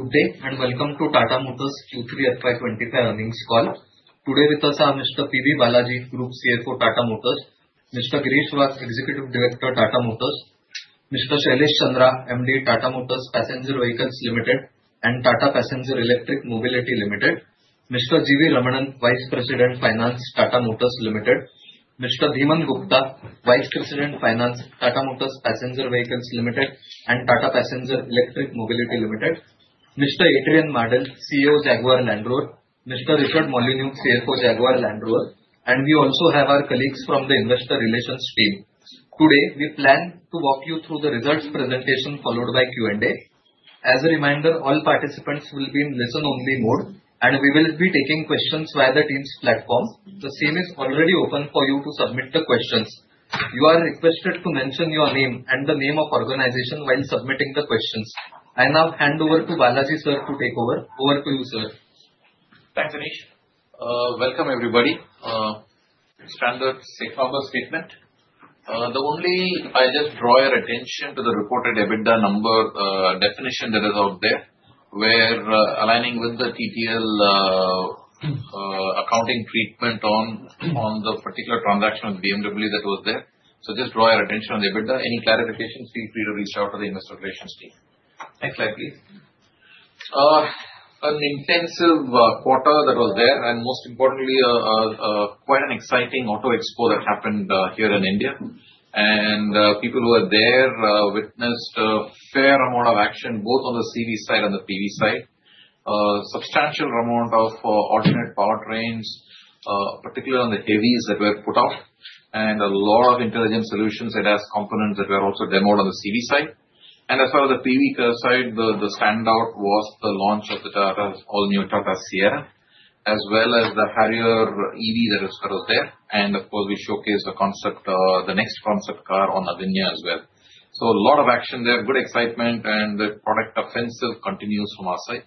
Good day and welcome to Tata Motors Q3 FY25 earnings call. Today with us are mister P B. Balaji, group CFO Tata Motors, mister Girish Wagh, executive director Tata Motors, mister Shailesh Chandra, MD Tata Motors passenger vehicles limited and Tata passenger electric mobility limited, mister G V. Ramanand, vice president finance Tata Motors limited, mister Dhiman Gupta, vice president finance Tata Motors passenger vehicles limited and Tata passenger electric mobility limited, mister Adrian Mardell, CEO Jaguar Land Rover, mister Richard Molyneux, CEO Jaguar Land Rover, and we also have our colleagues from the investor relations team. Today we plan to walk you through the result presentation, follow by Q and A। As a reminder, all participants will be in listen only mode, and we will be taking questions via the team platform. The scene is already open for you to submit the questions. आप से अनुरोध है कि प्रश्न प्रस्तुत करते समय अपना नाम और संगठन का नाम बताएं। अब मैं बालाजी सर को आगे बढ़ने के लिए सौंप रहा हूं। आपकी बारी है, sir. Thank you, Girish. Welcome, everybody. Standard safe statement. The only I just draw your attention to the reported EBITDA number definition, there is out there, where aligning with the TTL accounting treatment on the particular transaction of BMW that was there. So just draw your attention on EBITDA. Any clarification, free to reach out to the investor relations team. Next slide, please. An intensive quarter that was there, and most importantly, a quite exciting Auto Expo that happened here in India. And people who are there witnessed fair amount of action, both on the CV side and the PV side. A substantial amount of alternate power trains, a particular on the heavies that were put out, and a lot of intelligent solutions at S components that were also demo on the CV side. And the PV side, the standout was the launch of the Tata all new Tata Sierra, as well as the Harrier EV that is there. And of course, we showcase the concept, the next concept car on the Avinya unveil. So a lot of action there, good excitement, and the product offensive continues from our side.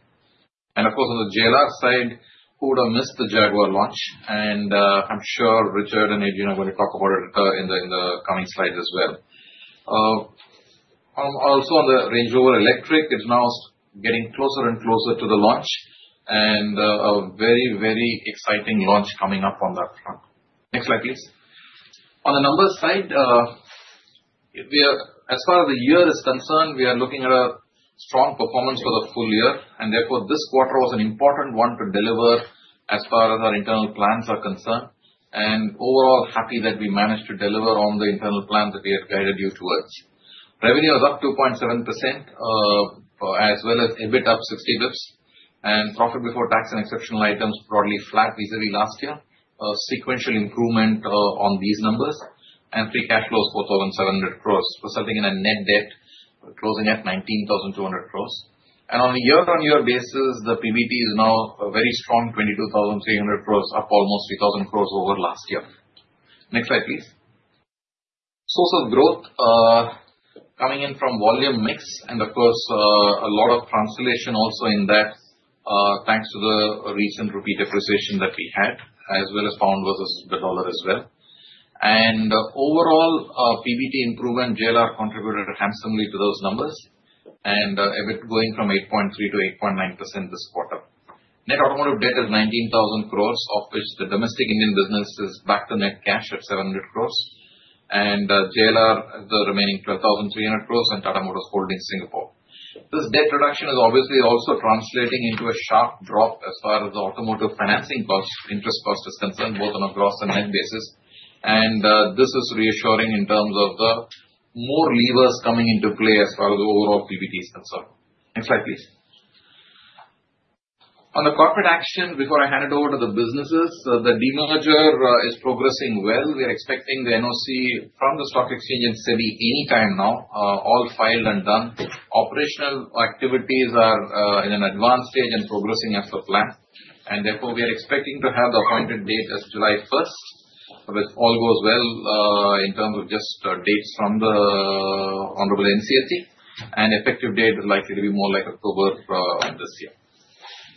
And of course, on the JLR side, who don't miss the Jaguar launch, and I am sure Richard and Adrian are going to talk about it in the coming slides as well. Also, on the Range Rover Electric, it's now getting closer and closer to the launch, and a very very exciting launch coming up on that front. Next slide, please. On the number side, as far the year is concerned, we are looking at a strong performance for the full year, and therefore, this quarter was an important one to deliver as far as our internal plans are concerned. And overall, happy that we managed to deliver on the internal plan that we have guided you towards. Revenue is up 2.7%, as well as EBIT up 60 bips, and profit before tax and exceptional items broadly flat vis-à-vis last year. A sequential improvement on this numbers, and free cash flow 4,700 crores, resulting in a net debt closing at 19,200 crores. And on a year on year basis, the PBT is now a very strong 22,300 crores, up almost 3,000 crores over last year. Next slide, please. Source of growth, coming in from volume mix, and of course, a lot of translation also in that, thanks to the recent rupee depreciation that we had, as well as pound versus the dollar as well. And overall, PBT improvement, JLR contributed handsomely to those numbers, and EBIT going from 8.3% to 8.9% this quarter. Net automotive debt is 19,000 crores, of which the domestic Indian business is back to net cash at 700 crores, and JLR the remaining 12,300 crores, and Tata Motors Holding Singapore. This debt reduction is obviously also translating into a sharp drop as far as the automotive financing cost, interest cost is concerned both on a gross and net basis, and this is reassuring in terms of the more levers coming into play as far as the overall PBT is concerned. Next slide, please. On the corporate action, before I hand it over to the businesses, the demerger is progressing well. We are expecting the NOC from the stock exchange and SEBI any time now, all filed and done. Operational activities are in an advanced stage and progressing as a plan, and therefore, we are expecting to have the appointed date as July first, with all goes well in terms of just dates from the honorable NCLT, and effective date is likely to be more like October this year.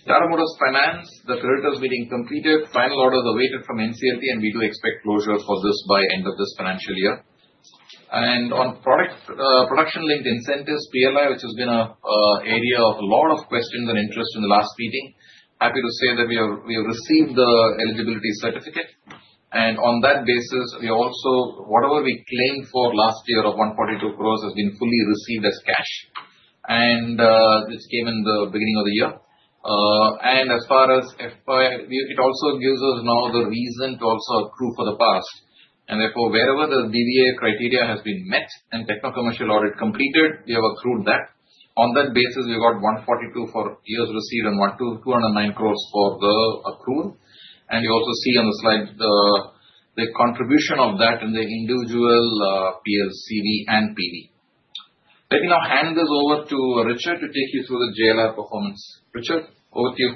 Tata Motors Finance, the credit is being completed, final orders awaited from NCLT, and we do expect closure for this by end of this financial year. And on Production Linked Incentives, PLI, which has been an area of a lot of questions and interest in the last meeting, happy to see that we have, we have received the eligibility certificate, and on that basis, we also, whatever we claimed for last year of 142 crores, has been fully received as cash, and this came in the beginning of the year. And as far as, it also gives us now the reason to also approve for the past, and therefore, wherever the DVA criteria has been met, and techno commercial audit completed, we have approved that. On that basis, we got 142 for years received and 1,209 crores for the approval, and you also see on the slide, the contribution of that in the individual P&L, CV and PV. Let me now hand this over to Richard to take you through the JLR performance. Richard, over to you.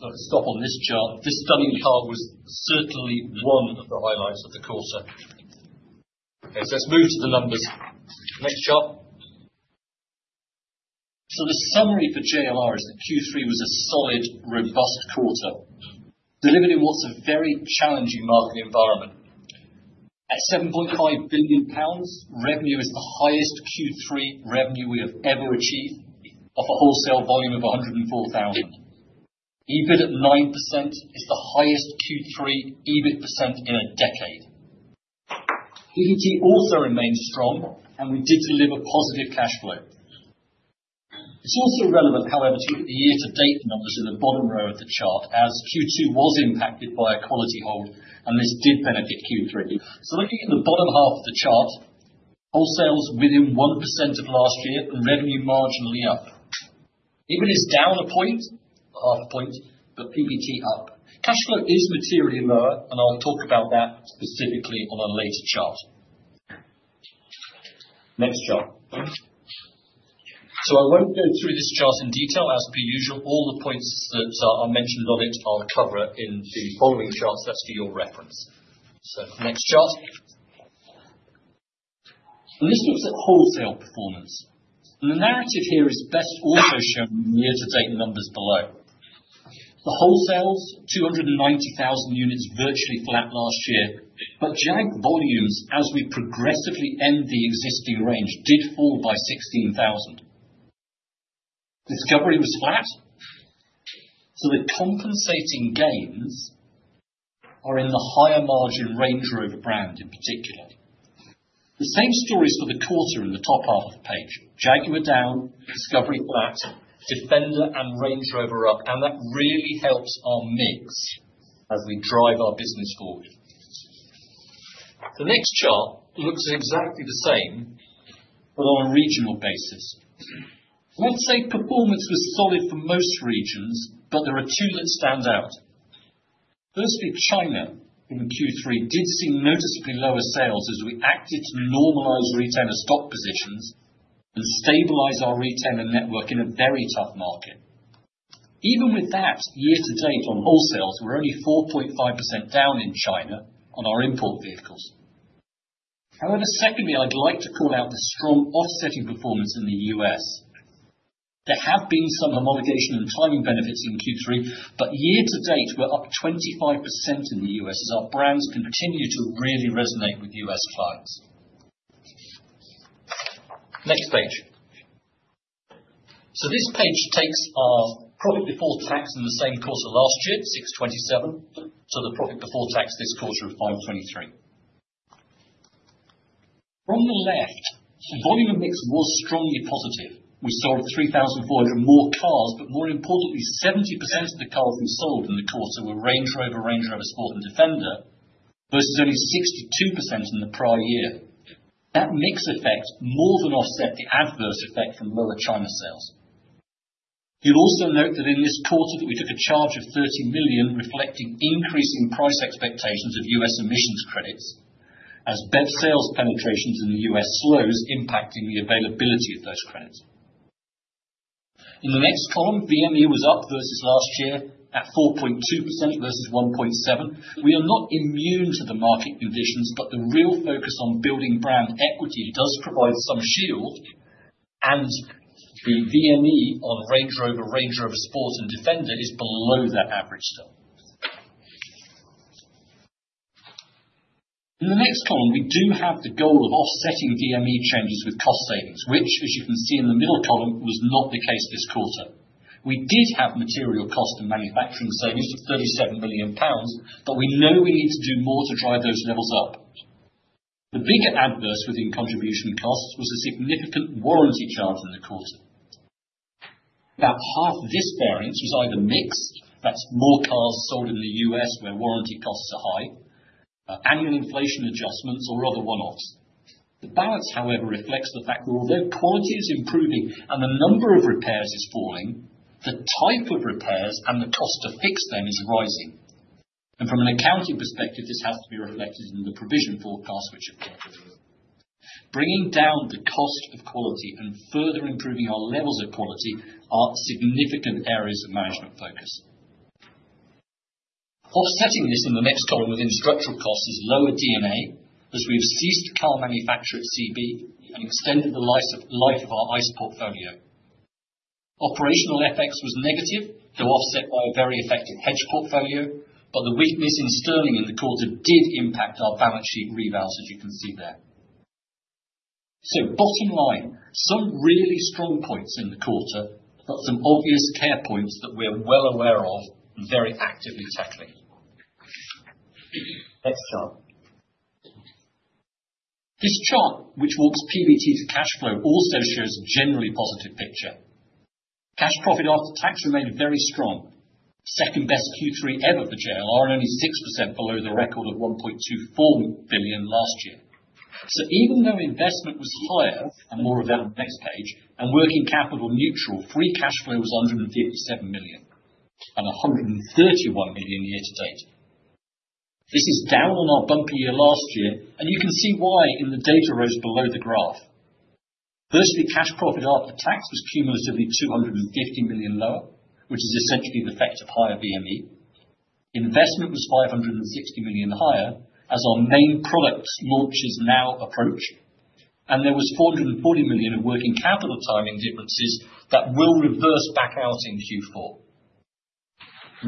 I'll stop on this chart. This Quarter was certainly one of the highlights of the quarter. Let's move to the numbers. Next chart. The summary for JLR is that Q3 was a solid, robust quarter, delivered in what's a very challenging market environment. At 7.5 billion pounds, revenue is the highest Q3 revenue we have ever achieved of a wholesale volume of 104,000. EBIT at 9% is the highest Q3 EBIT percent in a decade. PBT also remained strong, and we did deliver positive cash flow. It's also relevant, however, to look at the year-to-date numbers in the bottom row of the chart, as Q2 was impacted by a quality hold, and this did benefit Q3. Looking at the bottom half of the chart, wholesales within 1% of last year and revenue marginally up. EBIT is down a point, half a point, but PBT up. Cash flow is materially lower, and I'll talk about that specifically on a later chart. Next chart. I won't go through this chart in detail. As per usual, all the points that are mentioned on it I'll cover in the following charts, that's for your reference. Next chart. This looks at wholesale performance. The narrative here is best also shown in the year-to-date numbers below. The wholesales, 290,000 units virtually flat last year, but JAG volumes, as we progressively end the existing range, did fall by 16,000. Discovery was flat. The compensating gains are in the higher margin Range Rover brand in particular. The same story is for the quarter in the top half of the page. JAG were down, Discovery flat, Defender and Range Rover up, and that really helps our mix as we drive our business forward. The next chart looks exactly the same, but on a regional basis. Performance was solid for most regions, but there are two that stand out. Firstly, China in Q3 did see noticeably lower sales as we acted to normalize retailer stock positions and stabilize our retailer network in a very tough market. Even with that, year-to-date on wholesales, we're only 4.5% down in China on our import vehicles. However, secondly, I'd like to call out the strong offsetting performance in the U.S. There have been some homologation and timing benefits in Q3, but year-to-date we're up 25% in the U.S. as our brands continue to really resonate with U.S. clients. Next page. This page takes our profit before tax in the same quarter last year, $627 million, to the profit before tax this quarter of $523 million. From the left, volume of mix was strongly positive. We sold 3,400 more cars, but more importantly, 70% of the cars we sold in the quarter were Range Rover, Range Rover Sport, and Defender versus only 62% in the prior year. That mix effect more than offset the adverse effect from lower China sales. You'll also note that in this quarter that we took a charge of $30 million, reflecting increasing price expectations of U.S. emissions credits as BEV sales penetrations in the U.S. slows, impacting the availability of those credits. In the next column, VMU was up versus last year at 4.2% versus 1.7%. We are not immune to the market conditions, but the real focus on building brand equity does provide some shield, and the VME of Range Rover, Range Rover Sport, and Defender is below that average still. In the next column, we do have the goal of offsetting VME changes with cost savings, which, as you can see in the middle column, was not the case this quarter. We did have material cost and manufacturing savings of 37 million pounds, but we know we need to do more to drive those levels up. The bigger adverse within contribution costs was a significant warranty charge in the quarter. About half this variance was either mixed, that's more cars sold in the U.S. where warranty costs are high, annual inflation adjustments, or other one-offs. The balance, however, reflects the fact that although quality is improving and the number of repairs is falling, the type of repairs and the cost to fix them is rising. From an accounting perspective, this has to be reflected in the provision forecast, which you've got to do. Bringing down the cost of quality and further improving our levels of quality are significant areas of management focus. Offsetting this in the next column within structural costs is lower D&A, as we've ceased to car manufacture at CB and extended the life of our ICE portfolio. Operational FX was negative, though offset by a very effective hedge portfolio, but the weakness in Sterling in the quarter did impact our balance sheet rebalance, as you can see there. Bottom line, some really strong points in the quarter, but some obvious care points that we're well aware of and very actively tackling. Next chart. This chart, which walks PBT to cash flow, also shows a generally positive picture. Cash profit after tax remained very strong. Second best Q3 ever for JLR and only 6% below the record of 1.24 billion last year. Even though investment was higher, and more of that on the next page, and working capital neutral, free cash flow was 157 million, and 131 million year-to-date. This is down on our bumpy year last year, and you can see why in the data rows below the graph. Firstly, cash profit after tax was cumulatively 250 million lower, which is essentially the fact of higher VME. Investment was 560 million higher as our main product launches now approach, and there was 440 million of working capital timing differences that will reverse back out in Q4.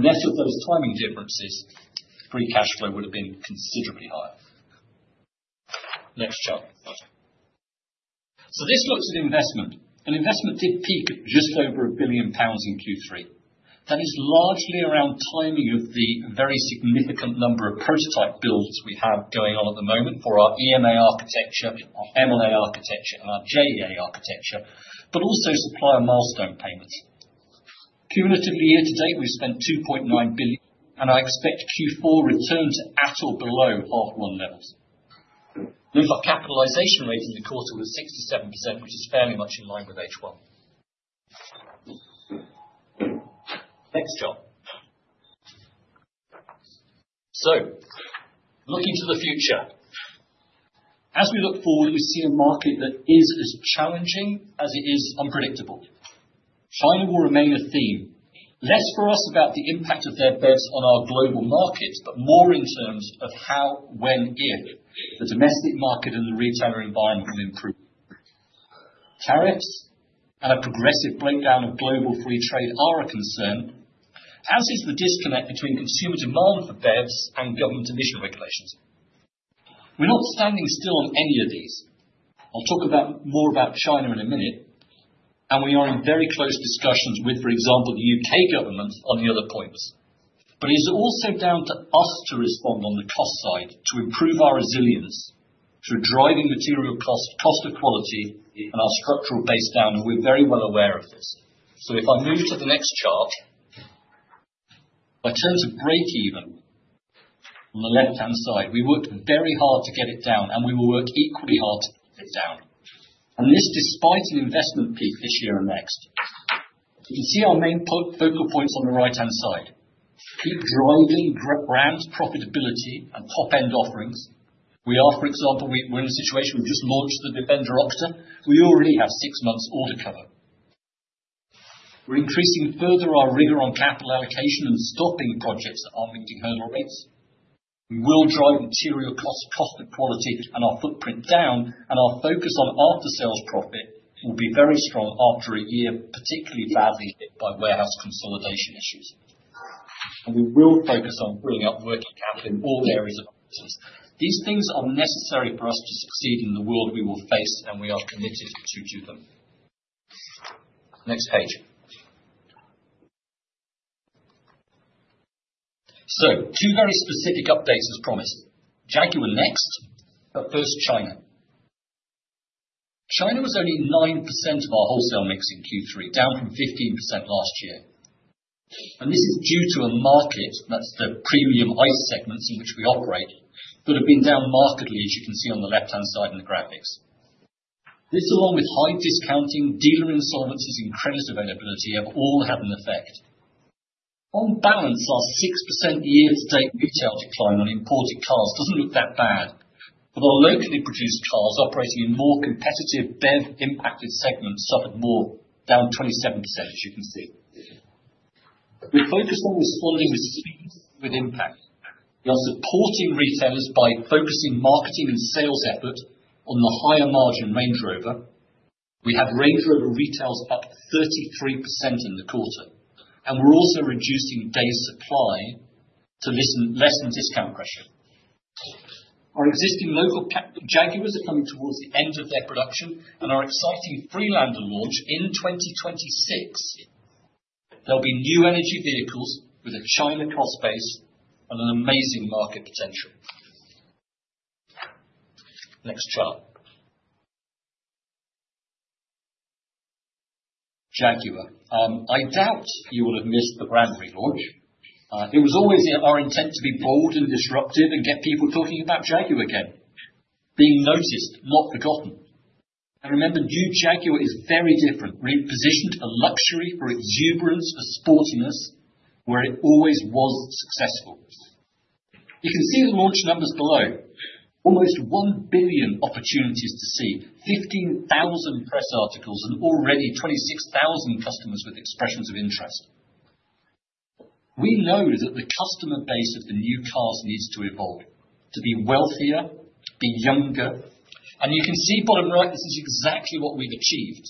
Less of those timing differences, free cash flow would have been considerably higher. Next chart. This looks at investment. And investment did peak at just over 1 billion pounds in Q3. That is largely around timing of the very significant number of prototype builds we have going on at the moment for our EMA architecture, our MLA architecture, and our JEA architecture, but also supplier milestone payments. Cumulatively year-to-date, we've spent $2.9 billion, and I expect Q4 returns at or below H1 levels. R&D capitalization rate in the quarter was 67%, which is fairly much in line with H1. Next chart. Looking to the future, as we look forward, we see a market that is as challenging as it is unpredictable. China will remain a theme. Less for us about the impact of their capex on our global markets, but more in terms of how, when, if the domestic market and the broader environment will improve. Tariffs and a progressive breakdown of global free trade are a concern, as is the disconnect between consumer demand for BEVs and government emission regulations. We're not standing still on any of these. I'll talk more about China in a minute, and we are in very close discussions with, for example, the U.K. government on the other points. But it is also down to us to respond on the cost side to improve our resilience through driving material cost, cost of quality, and our structural base down, and we're very well aware of this. If I move to the next chart, by terms of breakeven on the left-hand side, we worked very hard to get it down, and we will work equally hard to get it down. This despite an investment peak this year and next. You can see our main focal points on the right-hand side. Keep driving brand profitability and top-end offerings. We are, for example, we're in a situation we've just launched the Defender OCTA. We already have six months' order cover. We're increasing further our rigor on capital allocation and stopping projects that aren't meeting hurdle rates. We will drive material cost, cost of quality, and our footprint down, and our focus on after-sales profit will be very strong after a year particularly badly hit by warehouse consolidation issues. We will focus on pulling up working capital in all areas of our business. These things are necessary for us to succeed in the world we will face, and we are committed to do them. Next page. Two very specific updates as promised. JAG were next, but first China. China was only 9% of our wholesale mix in Q3, down from 15% last year. This is due to a market, that's the premium ICE segments in which we operate, that have been down markedly, as you can see on the left-hand side in the graphics. This, along with high discounting, dealer insolvencies, and credit availability, have all had an effect. On balance, our 6% year-to-date retail decline on imported cars doesn't look that bad, but our locally produced cars operating in more competitive BEV-impacted segments suffered more, down 27%, as you can see. We're focused on responding with speed with impact. We are supporting retailers by focusing marketing and sales effort on the higher margin Range Rover. We have Range Rover retails up 33% in the quarter, and we're also reducing day supply to lessen discount pressure. Our existing local JAGs are coming towards the end of their production and are exciting Freelander launch in 2026. There'll be new energy vehicles with a China cross-base and an amazing market potential. Next chart. JAG. I doubt you will have missed the brand relaunch. It was always our intent to be bold and disruptive and get people talking about JAG again, being noticed, not forgotten. Remember, new JAG is very different, repositioned for luxury, for exuberance, for sportiness, where it always was successful. You can see the launch numbers below. Almost 1 billion opportunities to see, 15,000 press articles and already 26,000 customers with expressions of interest. We know that the customer base of the new cars needs to evolve, to be wealthier, be younger. You can see bottom right, this is exactly what we've achieved.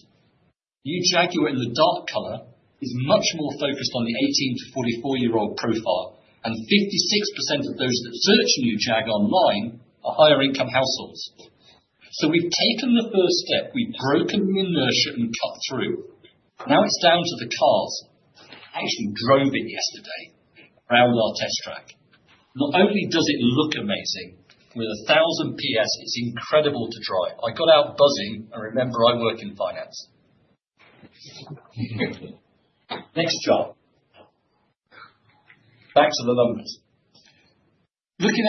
New JAG in the dark color is much more focused on the 18-44-year-old profile, and 56% of those that search new JAG online are higher-income households. We've taken the first step. We've broken the inertia and cut through. Now it's down to the cars. I actually drove it yesterday around our test track. Not only does it look amazing with 1,000 PS, it's incredible to drive. I got out buzzing. I remember I work in finance. Next chart. Back to the numbers. Looking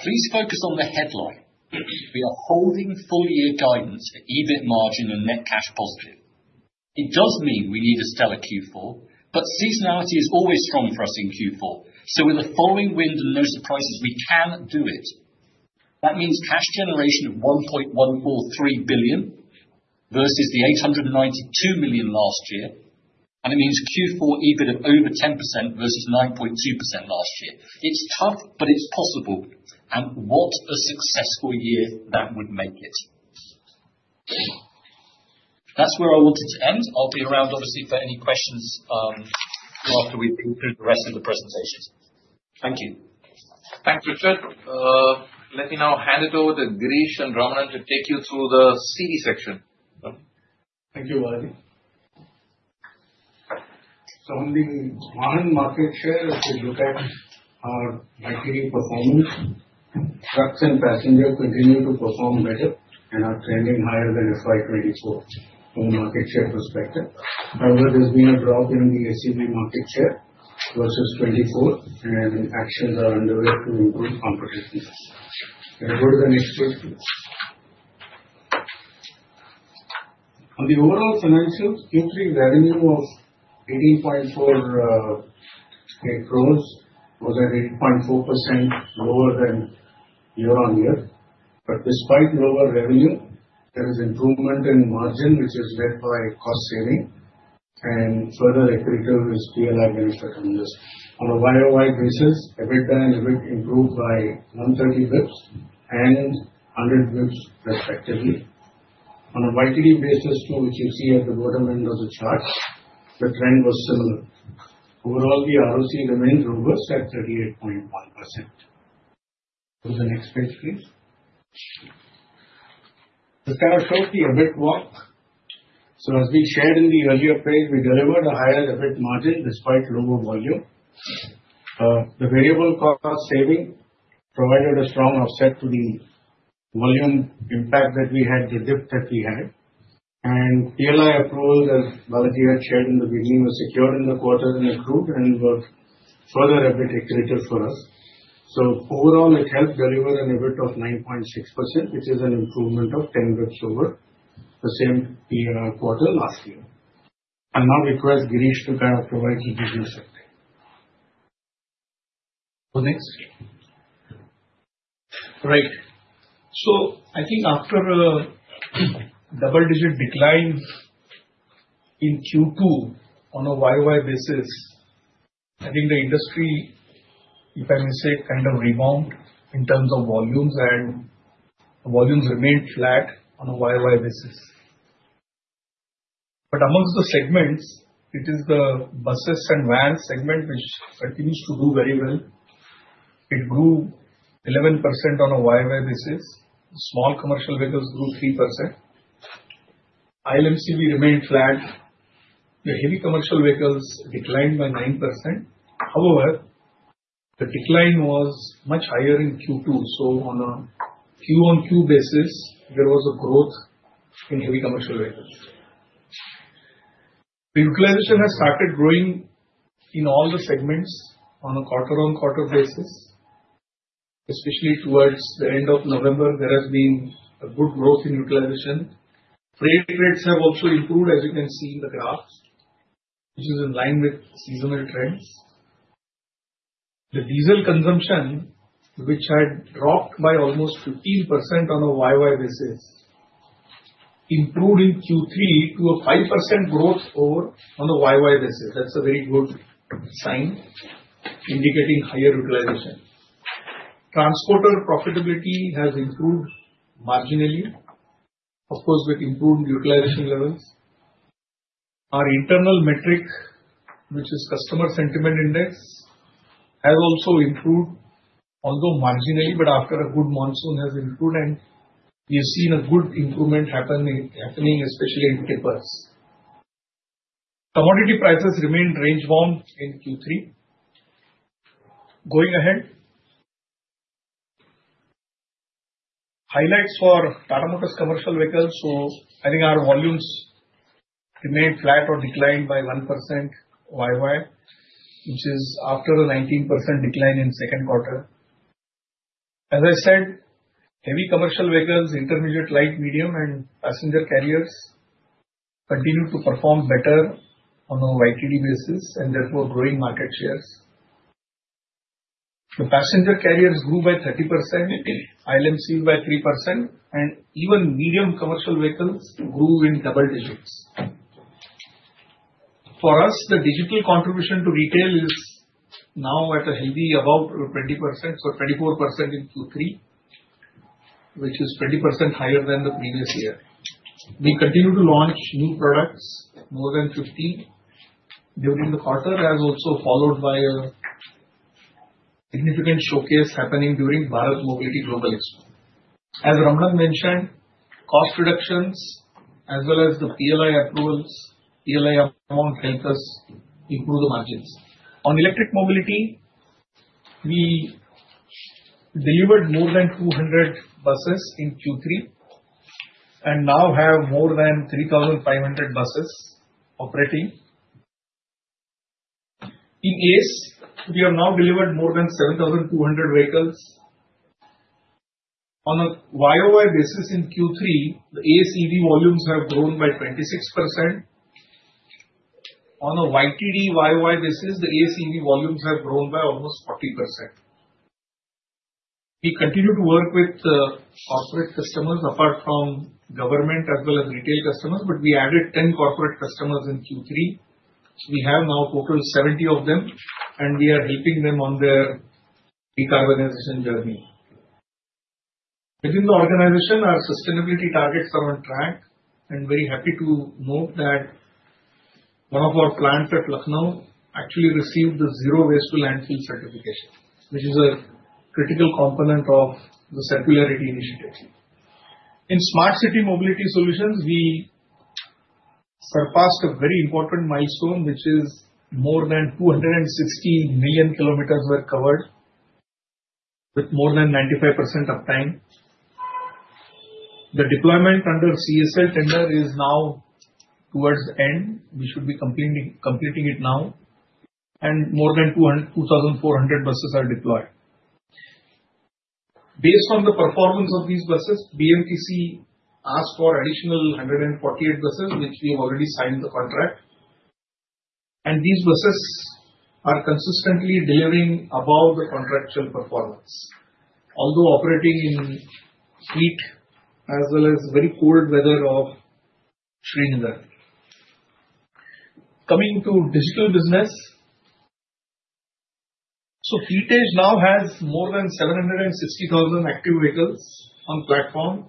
ahead, please focus on the headline. We are holding full-year guidance for EBIT margin and net cash positive. It does mean we need a stellar Q4, but seasonality is always strong for us in Q4. With the following wind and no surprises, we can do it. That means cash generation of $1.143 billion versus the $892 million last year, and it means Q4 EBIT of over 10% versus 9.2% last year. It's tough, but it's possible. And what a successful year that would make it. That's where I wanted to end. I'll be around, obviously, for any questions after we've been through the rest of the presentations. Thank you. Thanks, Richard. Let me now hand it over to Girish and Ramanan to take you through the CV section. Thank you, Balaji. On the market share, if we look at our continued performance, trucks and passengers continue to perform better and are trending higher than FY24 from a market share perspective. However, there's been a drop in the SUV market share versus 24, and actions are underway to improve competition. Can I go to the next page? On the overall financials, Q3 revenue of 18.48 crores was 8.4% lower than year-on-year. But despite lower revenue, there is improvement in margin, which is led by cost saving, and further accretive is PLI benefit on this. On a YOY basis, EBITDA and EBIT improved by 130 bps and 100 bps respectively. On a YTD basis too, which you see at the bottom end of the chart, the trend was similar. Overall, the ROC remained robust at 38.1%. Go to the next page, please. This kind of shows the EBIT walk. As we shared in the earlier page, we delivered a higher EBIT margin despite lower volume. The variable cost saving provided a strong offset to the volume impact that we had, the dip that we had. PLI approval, as Valerie had shared in the beginning, was secured in the quarter and accrued and was further EBIT accretive for us. Overall, it helped deliver an EBIT of 9.6%, which is an improvement of 10 bps over the same quarter last year. I'll now request Girish to provide the business update. Go next. Right. I think after a double-digit decline in Q2 on a YOY basis, the industry, if I may say, kind of rebounded in terms of volumes, and volumes remained flat on a YOY basis. But amongst the segments, it is the buses and vans segment, which continues to do very well. It grew 11% on a YOY basis. Small commercial vehicles grew 3%. ILMCV remained flat. The heavy commercial vehicles declined by 9%. However, the decline was much higher in Q2. On a Q-on-Q basis, there was a growth in heavy commercial vehicles. The utilization has started growing in all the segments on a quarter-on-quarter basis, especially towards the end of November. There has been a good growth in utilization. Freight rates have also improved, as you can see in the graph, which is in line with seasonal trends. The diesel consumption, which had dropped by almost 15% on a year-over-year basis, improved in Q3 to a 5% growth over on a year-over-year basis. That's a very good sign, indicating higher utilization. Transporter profitability has improved marginally, of course, with improved utilization levels. Our internal metric, which is customer sentiment index, has also improved, although marginally, but after a good monsoon, has improved, and we have seen a good improvement happening, especially in tippers. Commodity prices remained range-bound in Q3. Going ahead. Highlights for Tata Motors commercial vehicles. I think our volumes remained flat or declined by 1% year-over-year, which is after a 19% decline in second quarter. As I said, heavy commercial vehicles, intermediate, light, medium, and passenger carriers continue to perform better on a year-to-date basis and therefore growing market shares. The passenger carriers grew by 30%, ILMC by 3%, and even medium commercial vehicles grew in double digits. For us, the digital contribution to retail is now at a heavy above 20%, so 24% in Q3, which is 20% higher than the previous year. We continue to launch new products, more than 50, during the quarter, as also followed by a significant showcase happening during Bharat Mobility Global Expo. As Ramanan mentioned, cost reductions as well as the PLI approvals, PLI amount helped us improve the margins. On electric mobility, we delivered more than 200 buses in Q3 and now have more than 3,500 buses operating. In ACE, we have now delivered more than 7,200 vehicles. On a year-over-year basis in Q3, the ACE volumes have grown by 26%. On a year-to-date, year-over-year basis, the ACE volumes have grown by almost 40%. We continue to work with corporate customers apart from government as well as retail customers, but we added 10 corporate customers in Q3. So we have now a total of 70 of them, and we are helping them on their decarbonization journey. Within the organization, our sustainability targets are on track, and I'm very happy to note that one of our plants at Lucknow actually received the Zero Waste to Landfill certification, which is a critical component of the circularity initiative. In smart city mobility solutions, we surpassed a very important milestone, which is more than 260 million kilometers were covered with more than 95% uptime. The deployment under CESL tender is now towards the end. We should be completing it now, and more than 2,400 buses are deployed. Based on the performance of these buses, BMTC asked for additional 148 buses, which we have already signed the contract. These buses are consistently delivering above the contractual performance, although operating in heat as well as very cold weather of Srinagar. Coming to digital business, Fleet Edge now has more than 760,000 active vehicles on platform,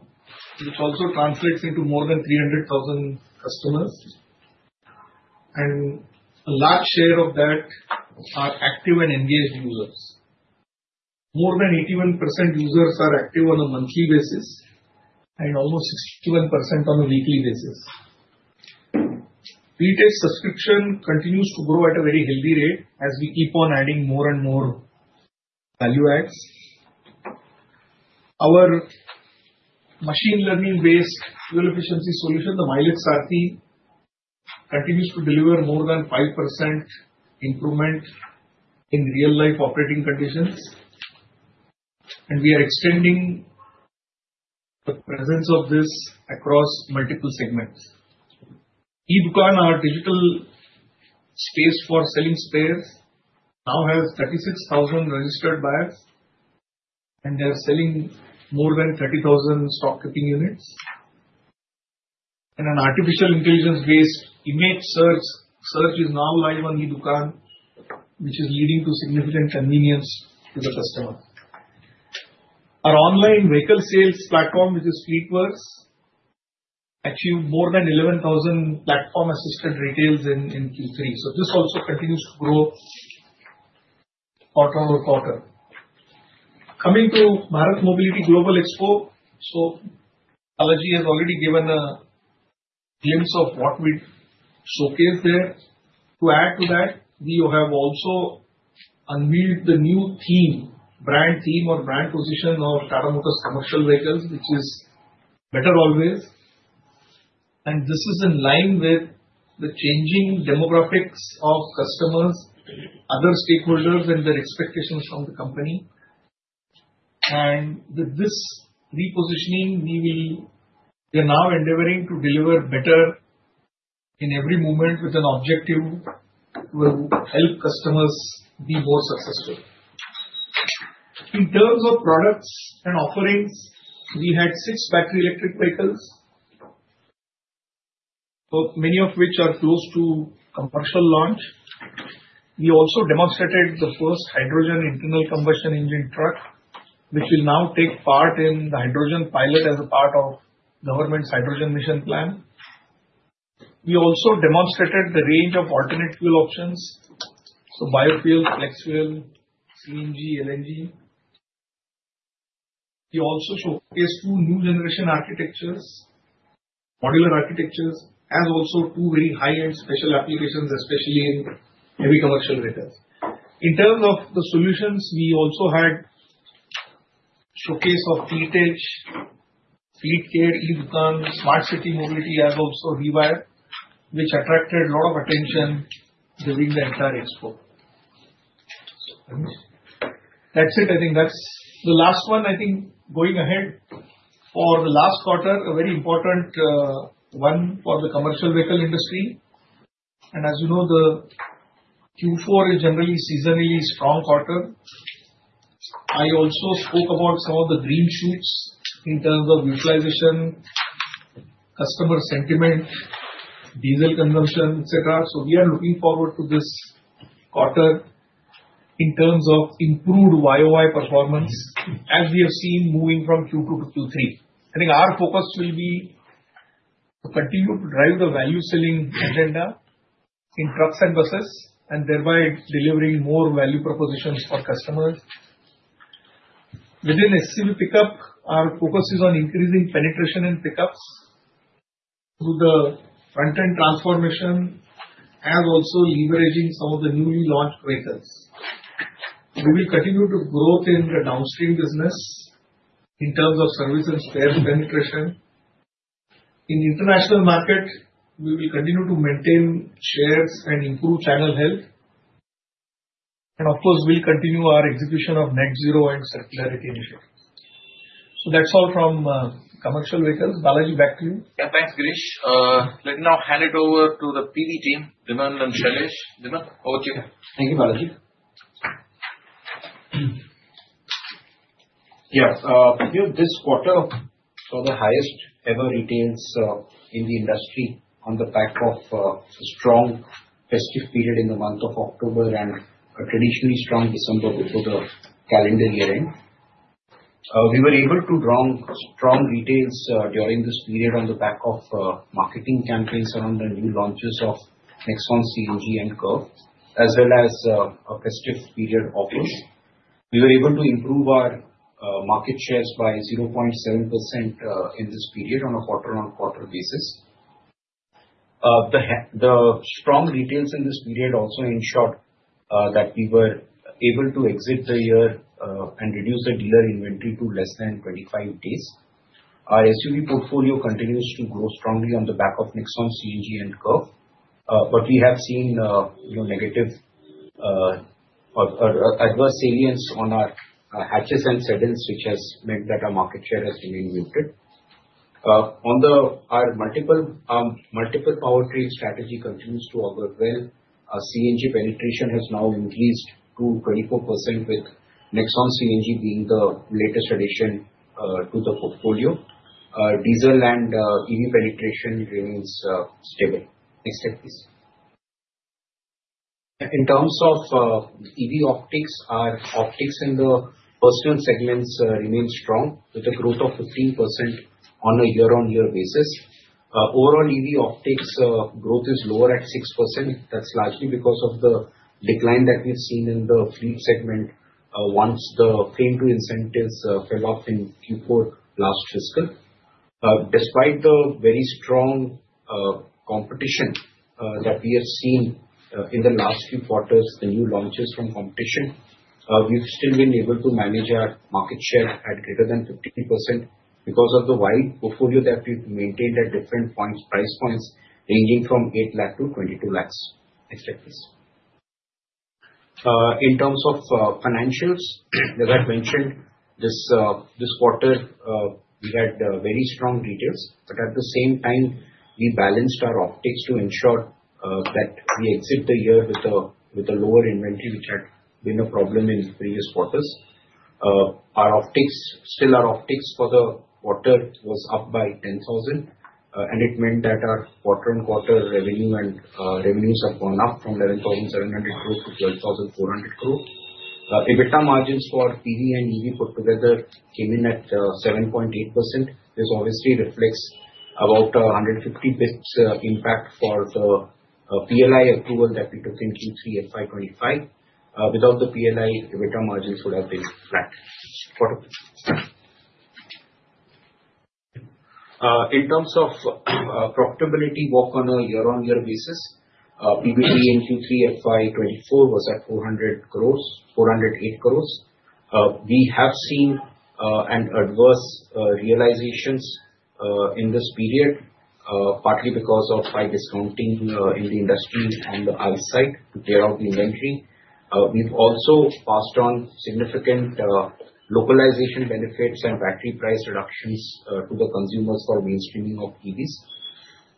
which also translates into more than 300,000 customers, and a large share of that are active and engaged users. More than 81% users are active on a monthly basis and almost 61% on a weekly basis. Fleet Edge subscription continues to grow at a very healthy rate as we keep on adding more and more value adds. Our machine learning-based fuel efficiency solution, the Mileage Sarthi, continues to deliver more than 5% improvement in real-life operating conditions, and we are extending the presence of this across multiple segments e-Dukaan, our digital space for selling spares, now has 36,000 registered buyers, and they are selling more than 30,000 stock-keeping units. An artificial intelligence-based image search is now live on e-Dukaan, which is leading to significant convenience to the customer. Our online vehicle sales platform, which is Fleetworks, achieved more than 11,000 platform-assisted retails in Q3. This also continues to grow quarter over quarter. Coming to Bharat Mobility Global Expo, Balaji has already given a glimpse of what we showcased there. To add to that, we have also unveiled the new theme, brand theme or brand position of Tata Motors commercial vehicles, which is better always. This is in line with the changing demographics of customers, other stakeholders, and their expectations from the company. With this repositioning, we are now endeavoring to deliver better in every moment with an objective to help customers be more successful. In terms of products and offerings, we had six battery electric vehicles, many of which are close to commercial launch. We also demonstrated the first hydrogen internal combustion engine truck, which will now take part in the hydrogen pilot as a part of government's hydrogen mission plan. We also demonstrated the range of alternate fuel options, so biofuel, flexfuel, CNG, LNG. We also showcased two new generation architectures, modular architectures, as also two very high-end special applications, especially in heavy commercial vehicles. In terms of the solutions, we also had a showcase of Fleet Edge, Fleetcare, e-Dukaan, Smart City Mobility, as also REWIRE, which attracted a lot of attention during the entire expo. That's it. Going ahead for the last quarter, a very important one for the commercial vehicle industry. As you know, the Q4 is generally a seasonally strong quarter. I also spoke about some of the green shoots in terms of utilization, customer sentiment, diesel consumption, etc. We are looking forward to this quarter in terms of improved YOY performance, as we have seen moving from Q2-Q3. I think our focus will be to continue to drive the value selling agenda in trucks and buses, and thereby delivering more value propositions for customers. Within SUV pickup, our focus is on increasing penetration in pickups through the front-end transformation, as also leveraging some of the newly launched vehicles. We will continue to grow in the downstream business in terms of service and spare penetration. In the international market, we will continue to maintain shares and improve channel health. And of course, we'll continue our execution of net zero and circularity initiatives. That's all from commercial vehicles. Balaji, back to you. Yeah, thanks, Girish. Let me now hand it over to the PV team, Dhiman and Shailesh. Dhiman, over to you. Thank you, Balaji. Yeah, this quarter saw the highest-ever retails in the industry on the back of a strong festive period in the month of October and a traditionally strong December before the calendar year-end. We were able to draw strong retails during this period on the back of marketing campaigns around the new launches of Nexon CNG and Curvv, as well as a festive period offering. We were able to improve our market shares by 0.7% in this period on a quarter-on-quarter basis. The strong retails in this period also ensured that we were able to exit the year and reduce the dealer inventory to less than 25 days. Our SUV portfolio continues to grow strongly on the back of Nexon CNG and Curvv, but we have seen negative or adverse salience on our hatches and sedans, which has meant that our market share has been muted. Our multiple powertrain strategy continues to augur well. CNG penetration has now increased to 24%, with Nexon CNG being the latest addition to the portfolio. Diesel and EV penetration remains stable. Next slide, please. In terms of EV sales, our sales in the personal segments remain strong with a growth of 15% on a year-on-year basis. Overall, EV sales growth is lower at 6%. That's largely because of the decline that we've seen in the fleet segment once the FAME incentives fell off in Q4 last fiscal. Despite the very strong competition that we have seen in the last few quarters, the new launches from competition, we've still been able to manage our market share at greater than 15% because of the wide portfolio that we've maintained at different price points ranging from 8 lakh to 22 lakh. Next slide, please. In terms of financials, as I've mentioned, this quarter, we had very strong retail sales, but at the same time, we balanced our optics to ensure that we exit the year with a lower inventory, which had been a problem in previous quarters. Our optics, still our optics for the quarter, was up by 10,000, and it meant that our quarter-on-quarter revenue and revenues have gone up from 11,700 crore to 12,400 crore. EBITDA margins for PV and EV put together came in at 7.8%. This obviously reflects about 150 basis points impact for the PLI approval that we took in Q3 FY25. Without the PLI, EBITDA margins would have been flat. In terms of profitability, on a year-on-year basis, PV PBT in Q3 FY24 was at 408 crore. We have seen adverse realizations in this period, partly because of high discounting in the industry on the EV side to clear out the inventory. We've also passed on significant localization benefits and battery price reductions to the consumers for mainstreaming of EVs.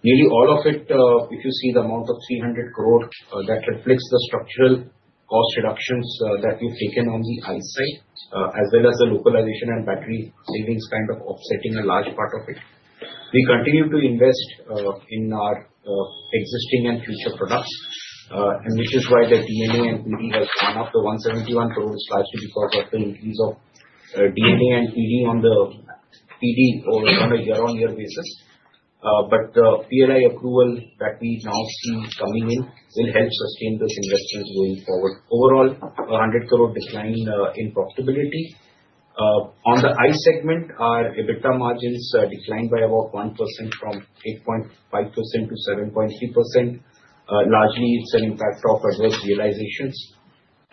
Nearly all of it, if you see the amount of 300 crore, that reflects the structural cost reductions that we've taken on the EV side, as well as the localization and battery savings kind of offsetting a large part of it. We continue to invest in our existing and future products, which is why the D&A and PV has gone up. The 171 crore is largely because of the increase of D&A and PV on a year-on-year basis. But the PLI approval that we now see coming in will help sustain those investments going forward. Overall, a 100 crore decline in profitability. On the ICE segment, our EBITDA margins declined by about 1% from 8.5% to 7.3%. Largely, it's an impact of adverse realizations.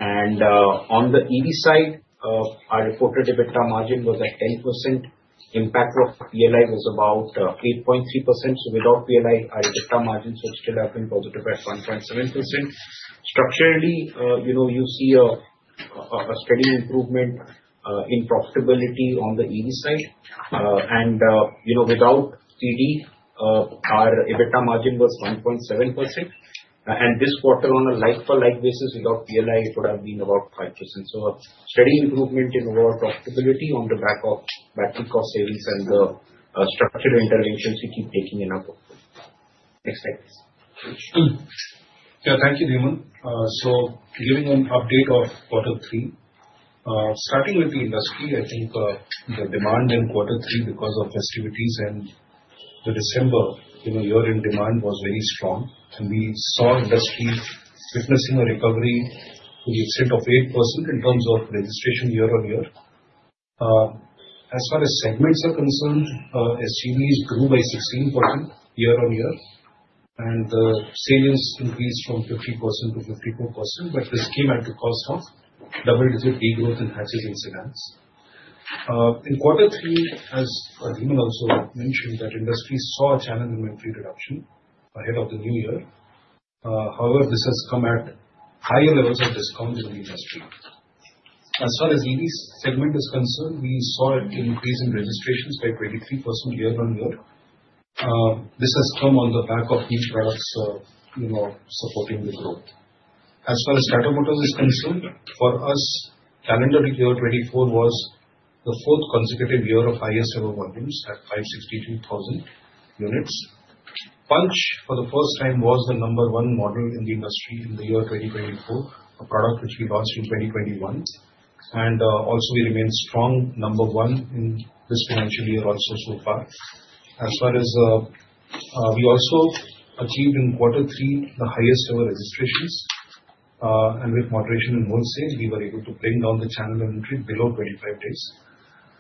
On the EV side, our reported EBITDA margin was at 10%. Impact of PLI was about 8.3%. Without PLI, our EBITDA margins would still have been positive at 1.7%. Structurally, you see a steady improvement in profitability on the EV side. Without PLI, our EBITDA margin was 1.7%. This quarter, on a like-for-like basis, without PLI, it would have been about 5%. A steady improvement in overall profitability on the back of battery cost savings and the structured interventions we keep taking in our portfolio. Next slide, please. Thank you, Dhiman. Giving an update of quarter three, starting with the industry, I think the demand in quarter three because of festivities and the December year-end demand was very strong. We saw industry witnessing a recovery to the extent of 8% in terms of registration year-on-year. As far as segments are concerned, SUVs grew by 16% year-on-year, and the salience increased from 50%-54%. This came at the cost of double-digit regrowth in hatches and sedans. In quarter three, as Dhiman also mentioned, industry saw a channel inventory reduction ahead of the new year. However, this has come at higher levels of discount in the industry. As far as EV segment is concerned, we saw an increase in registrations by 23% year-on-year. This has come on the back of new products supporting the growth. As far as Tata Motors is concerned, for us, calendar year 24 was the fourth consecutive year of higher server volumes at 562,000 units. Punch, for the first time, was the number one model in the industry in the year 2024, a product which we launched in 2021. We also remained strong number one in this financial year so far. We also achieved in quarter three the highest server registrations. With moderation in wholesale, we were able to bring down the channel inventory below 25 days.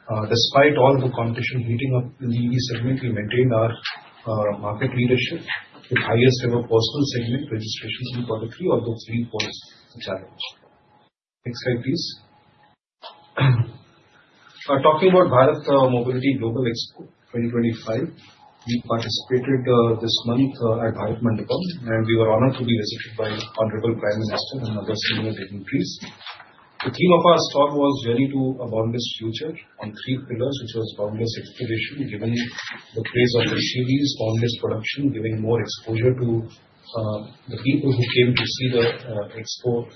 Despite all the competition heating up in the EV segment, we maintained our market leadership with higher server postal segment registrations in quarter three although 3.4% challenge. Next slide, please. Talking about Bharat Mobility Global Expo 2025, we participated this month at Bharat Mandapam, and we were honored to be visited by the Honorable Prime Minister and other senior dignitaries. The theme of our stall was "Journey to a Boundless Future" on three pillars, which was boundless exploration, given the praise of the series, boundless production, giving more exposure to the people who came to see the expo,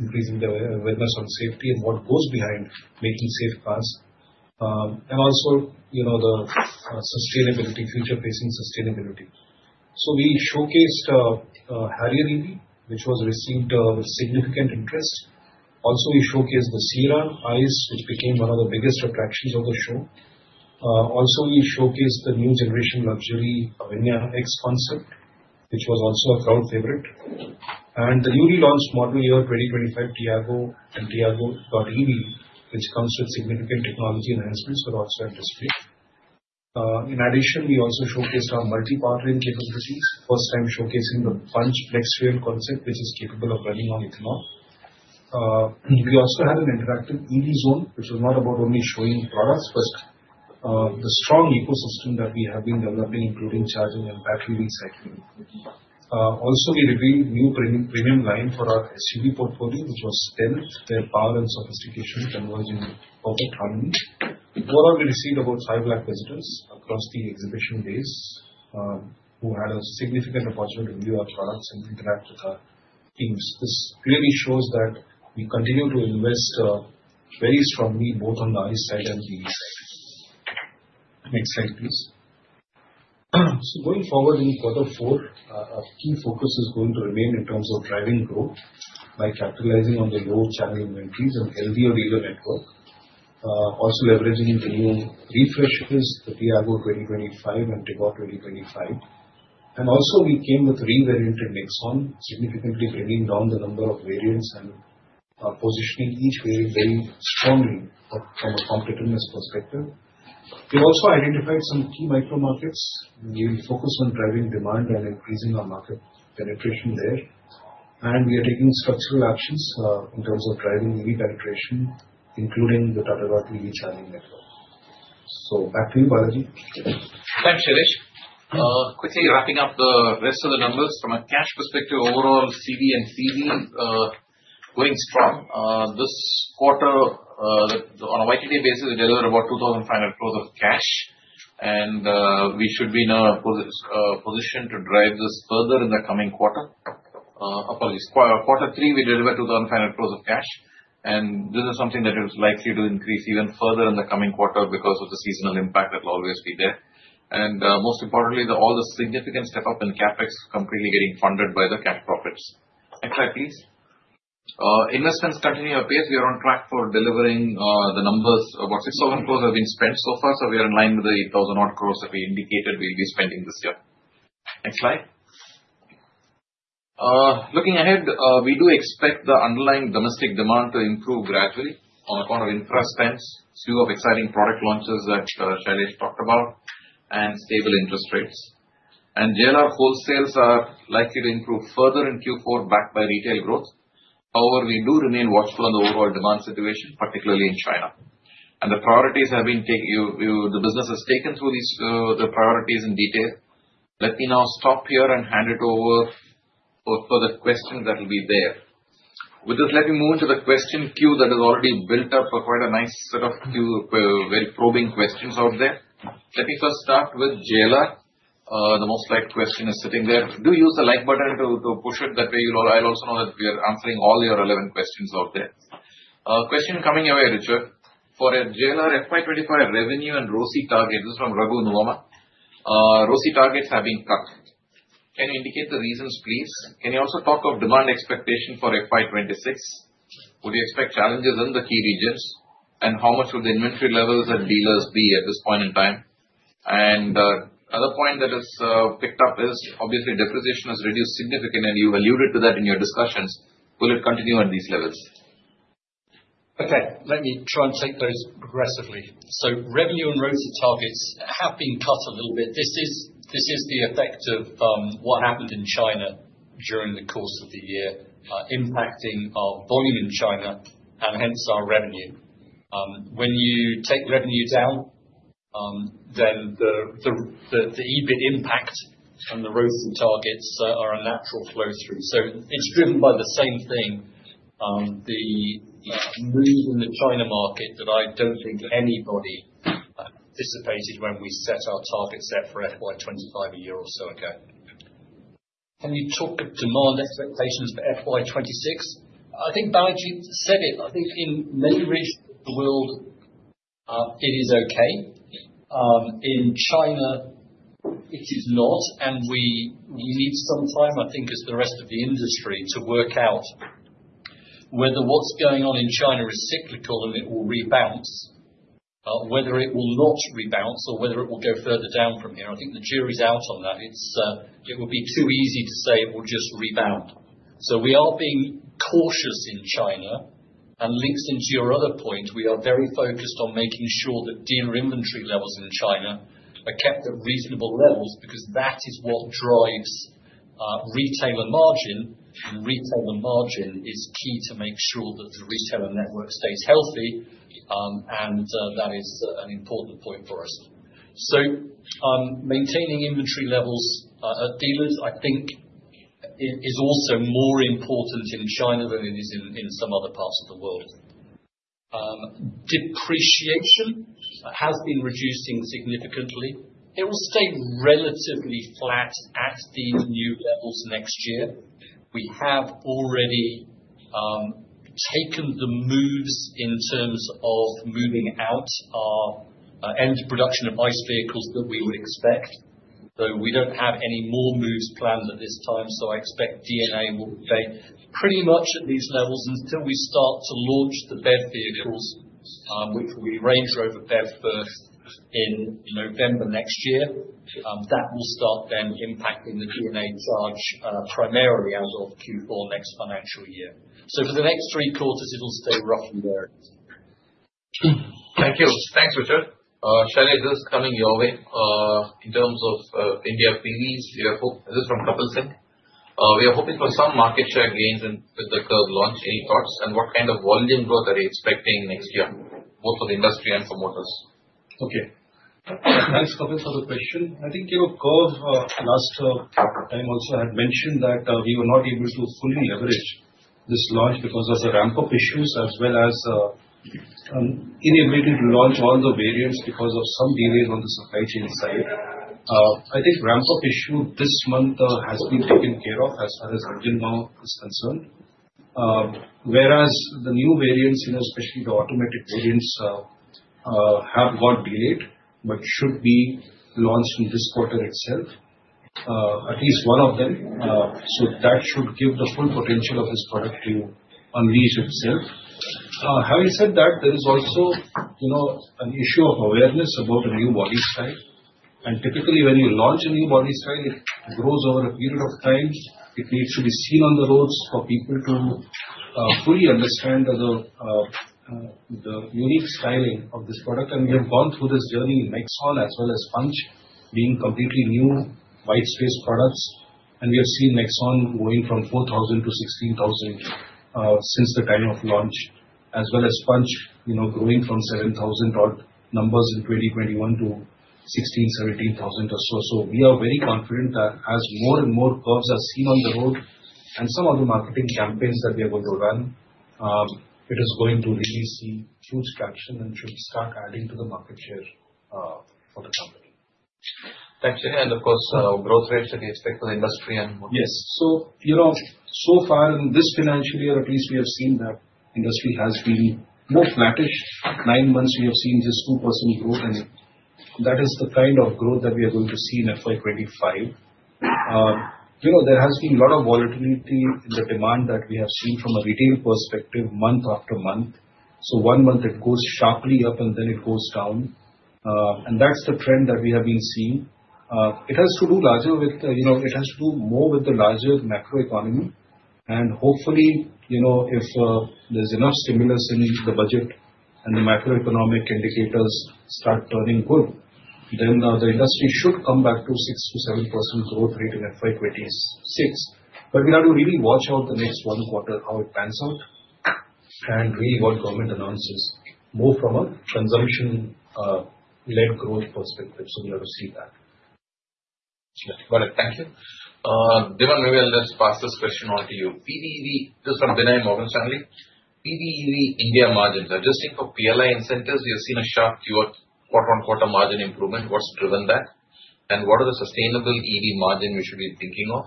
increasing their awareness on safety and what goes behind making safe cars, and also the sustainability, future-facing sustainability. So we showcased Harrier EV, which was received with significant interest. Also, we showcased the Sierra Ice, which became one of the biggest attractions of the show. Also, we showcased the new generation luxury Avinya concept, which was also a crowd favorite. And the newly launched model year 2025, Tiago and Tiago.ev, which comes with significant technology enhancements for us at this stage. In addition, we also showcased our multi-powering capabilities, first time showcasing the Punch Flex-Fuel concept, which is capable of running on ethanol. We also had an interactive EV zone, which was not about only showing products, but the strong ecosystem that we have been developing, including charging and battery recycling. Also, we revealed new premium line for our SUV portfolio, which was STEN, where power and sophistication converge in perfect harmony. Overall, we received about 5 lakh visitors across the exhibition days who had a significant opportunity to view our products and interact with our teams. This clearly shows that we continue to invest very strongly both on the ICE side and the EV side. Going forward in quarter four, our key focus is going to remain in terms of driving growth by capitalizing on the low channel inventories and healthier dealer network, also leveraging the new refreshers, the Tiago 2025 and Tigor 2025. We also came with three variants in Nexon, significantly bringing down the number of variants and positioning each variant very strongly from a competitiveness perspective. We also identified some key micro-markets. We will focus on driving demand and increasing our market penetration there. We are taking structural actions in terms of driving EV penetration, including the Tata Road EV channeling network. Back to you, Balaji. Thanks, Shailesh. Quickly wrapping up the rest of the numbers. From a cash perspective, overall CV and CZ going strong. This quarter, on a YTD basis, we delivered about 2,500 crores of cash, and we should be in a position to drive this further in the coming quarter. Quarter three, we delivered 2,500 crores of cash, and this is something that is likely to increase even further in the coming quarter because of the seasonal impact that will always be there. Most importantly, all the significant step-up in CapEx completely getting funded by the cash profits. Next slide, please. Investments continue to appear. We are on track for delivering the numbers. About 6,000 crores have been spent so far, so we are in line with the 8,000-odd crores that we indicated we'll be spending this year. Next slide. Looking ahead, we do expect the underlying domestic demand to improve gradually on account of infrastructure, a few exciting product launches that Shailesh talked about, and stable interest rates. JLR wholesales are likely to improve further in Q4 backed by retail growth. However, we do remain watchful on the overall demand situation, particularly in China. The priorities have been taken through these priorities in detail. Let me now stop here and hand it over for further questions that will be there. With this, let me move to the question queue that has already built up for quite a nice set of probing questions out there. Let me first start with JLR. The most liked question is sitting there. Do use the like button to push it. That way, I'll also know that we are answering all your relevant questions out there. Question coming your way, Richard. For JLR FY25 revenue and ROSI targets, this is from Raghu Nandan. ROSI targets have been cut. Can you indicate the reasons, please? Can you also talk of demand expectation for FY26? Would you expect challenges in the key regions? How much would the inventory levels at dealers be at this point in time? Another point that is picked up is, obviously, depreciation has reduced significantly, and you alluded to that in your discussions. Will it continue at these levels? Okay. Let me try and take those progressively. So revenue and ROSI targets have been cut a little bit. This is the effect of what happened in China during the course of the year, impacting our volume in China and hence our revenue. When you take revenue down, then the EBIT impact and the ROSI targets are a natural flow-through. So it's driven by the same thing, the moves in the China market that I don't think anybody anticipated when we set our target set for FY25 a year or so ago. Can you talk of demand expectations for FY26? I think Balaji said it. I think in many regions of the world, it is okay. In China, it is not. We need some time, I think, as the rest of the industry to work out whether what's going on in China is cyclical and it will rebound, whether it will not rebound, or whether it will go further down from here. I think the jury's out on that. It will be too easy to say it will just rebound. So we are being cautious in China. Linked into your other point, we are very focused on making sure that dealer inventory levels in China are kept at reasonable levels because that is what drives retailer margin. Retailer margin is key to make sure that the retailer network stays healthy, and that is an important point for us. So maintaining inventory levels at dealers, I think, is also more important in China than it is in some other parts of the world. Depreciation has been reducing significantly. It will stay relatively flat at these new levels next year. We have already taken the moves in terms of moving out our end production of ICE vehicles that we would expect. We don't have any more moves planned at this time. I expect DNA will stay pretty much at these levels until we start to launch the BEV vehicles, which will be Range Rover BEV first in November next year. That will start then impacting the DNA charge primarily out of Q4 next financial year. For the next three quarters, it'll stay roughly there. Thank you. Thanks, Richard. Shelish, this is coming your way. In terms of India PVs, this is from Kapil Singh. We are hoping for some market share gains with the curve launch. Any thoughts? And what kind of volume growth are you expecting next year, both for the industry and for motors? Okay. Thanks, Kapil, for the question. I think Curve last time also had mentioned that we were not able to fully leverage this launch because of the ramp-up issues, as well as inability to launch all the variants because of some delays on the supply chain side. I think ramp-up issue this month has been taken care of as far as engine now is concerned, whereas the new variants, especially the automatic variants, have got delayed but should be launched in this quarter itself, at least one of them. So that should give the full potential of this product to unleash itself. Having said that, there is also an issue of awareness about a new body style. Typically, when you launch a new body style, it grows over a period of time. It needs to be seen on the roads for people to fully understand the unique styling of this product. We have gone through this journey in Nexon, as well as Punch, being completely new whitespace products. We have seen Nexon going from 4,000-16,000 since the time of launch, as well as Punch growing from 7,000 numbers in 2021-16,000, 17,000 or so. We are very confident that as more and more curves are seen on the road and some other marketing campaigns that we are going to run, it is going to really see huge traction and should start adding to the market share for the company. Thanks, Shelish. And of course, growth rates that you expect for the industry and motors. Yes. So far in this financial year, at least we have seen that industry has been more flattish. Nine months, we have seen just 2% growth, and that is the kind of growth that we are going to see in FY25. There has been a lot of volatility in the demand that we have seen from a retail perspective month after month. One month, it goes sharply up, and then it goes down. And that's the trend that we have been seeing. It has to do more with the larger macroeconomy. And hopefully, if there's enough stimulus in the budget and the macroeconomic indicators start turning good, then the industry should come back to 6%-7% growth rate in FY26. But we have to really watch out the next one quarter how it pans out and really what government announces. More from a consumption-led growth perspective, so we are to see that. Got it. Thank you. Dhiman, maybe I'll just pass this question on to you. PV EV, this is from Binay Singh Morgan Stanley. PV EV India margins, I'm just seeing for PLI incentives, we have seen a sharp Q1 quarter margin improvement. What's driven that? What are the sustainable EV margins we should be thinking of?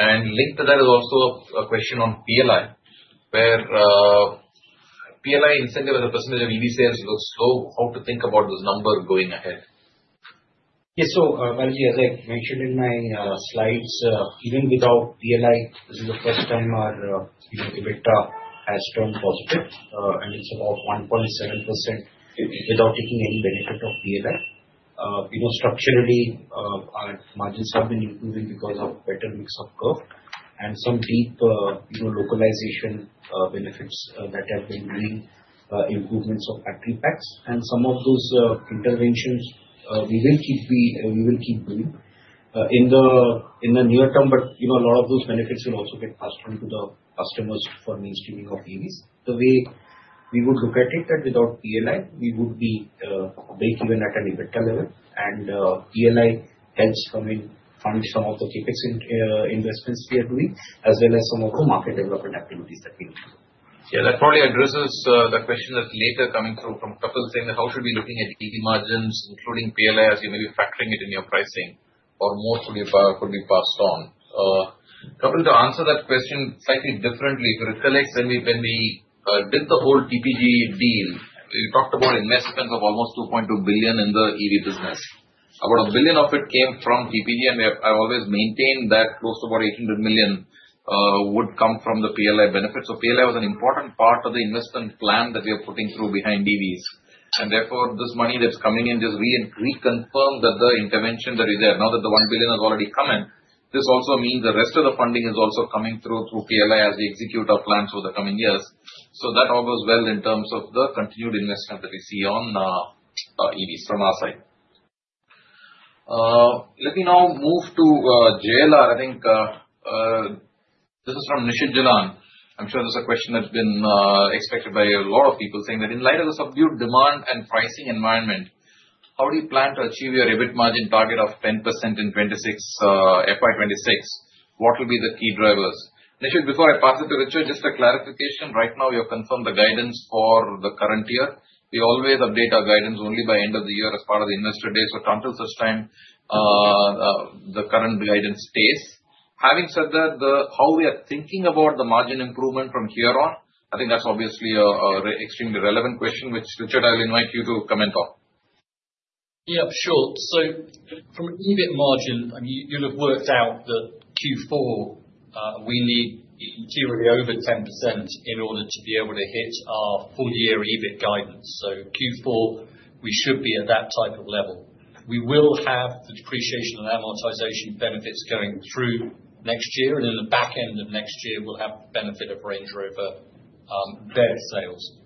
Linked to that is also a question on PLI, where PLI incentive as a percentage of EV sales looks low. How to think about this number going ahead? Yes. Balaji, as I mentioned in my slides, even without PLI, this is the first time our EBITDA has turned positive, and it's about 1.7% without taking any benefit of PLI. Structurally, our margins have been improving because of better mix of curve and some deep localization benefits that have been doing improvements of factory packs. Some of those interventions we will keep doing in the near term, but a lot of those benefits will also get passed on to the customers for mainstreaming of EVs. The way we would look at it, that without PLI, we would be breakeven at an EBITDA level, and PLI helps fund some of the capex investments we are doing, as well as some of the market development activities that we need. Yeah. That probably addresses the question that's later coming through from Couplesync. How should we be looking at EV margins, including PLI, as you may be factoring it in your pricing, or more could be passed on? Couples, to answer that question slightly differently, if you recollect, when we did the whole TPG deal, we talked about investments of almost $2.2 billion in the EV business. About $1 billion of it came from TPG, and I always maintain that close to about $800 million would come from the PLI benefits. So PLI was an important part of the investment plan that we are putting through behind EVs. Therefore, this money that's coming in just reconfirmed that the intervention that is there. Now that the $1 billion has already come in, this also means the rest of the funding is also coming through PLI as we execute our plans for the coming years. So that all goes well in terms of the continued investment that we see on EVs from our side. Let me now move to JLR. I think this is from Nishit Jalan. I'm sure this is a question that's been expected by a lot of people, saying that in light of the subdued demand and pricing environment, how do you plan to achieve your EBIT margin target of 10% in FY26? What will be the key drivers? Nishit, before I pass it to Richard, just a clarification. Right now, we have confirmed the guidance for the current year. We always update our guidance only by end of the year as part of the investor day. Until such time, the current guidance stays. Having said that, how we are thinking about the margin improvement from here on, I think that's obviously an extremely relevant question, which Richard, I'll invite you to comment on. Yeah, sure. So from an EBIT margin, I mean, you'll have worked out that Q4 we need materially over 10% in order to be able to hit our full-year EBIT guidance. So Q4, we should be at that type of level. We will have the depreciation and amortization benefits going through next year. In the back end of next year, we'll have the benefit of Range Rover BEV sales.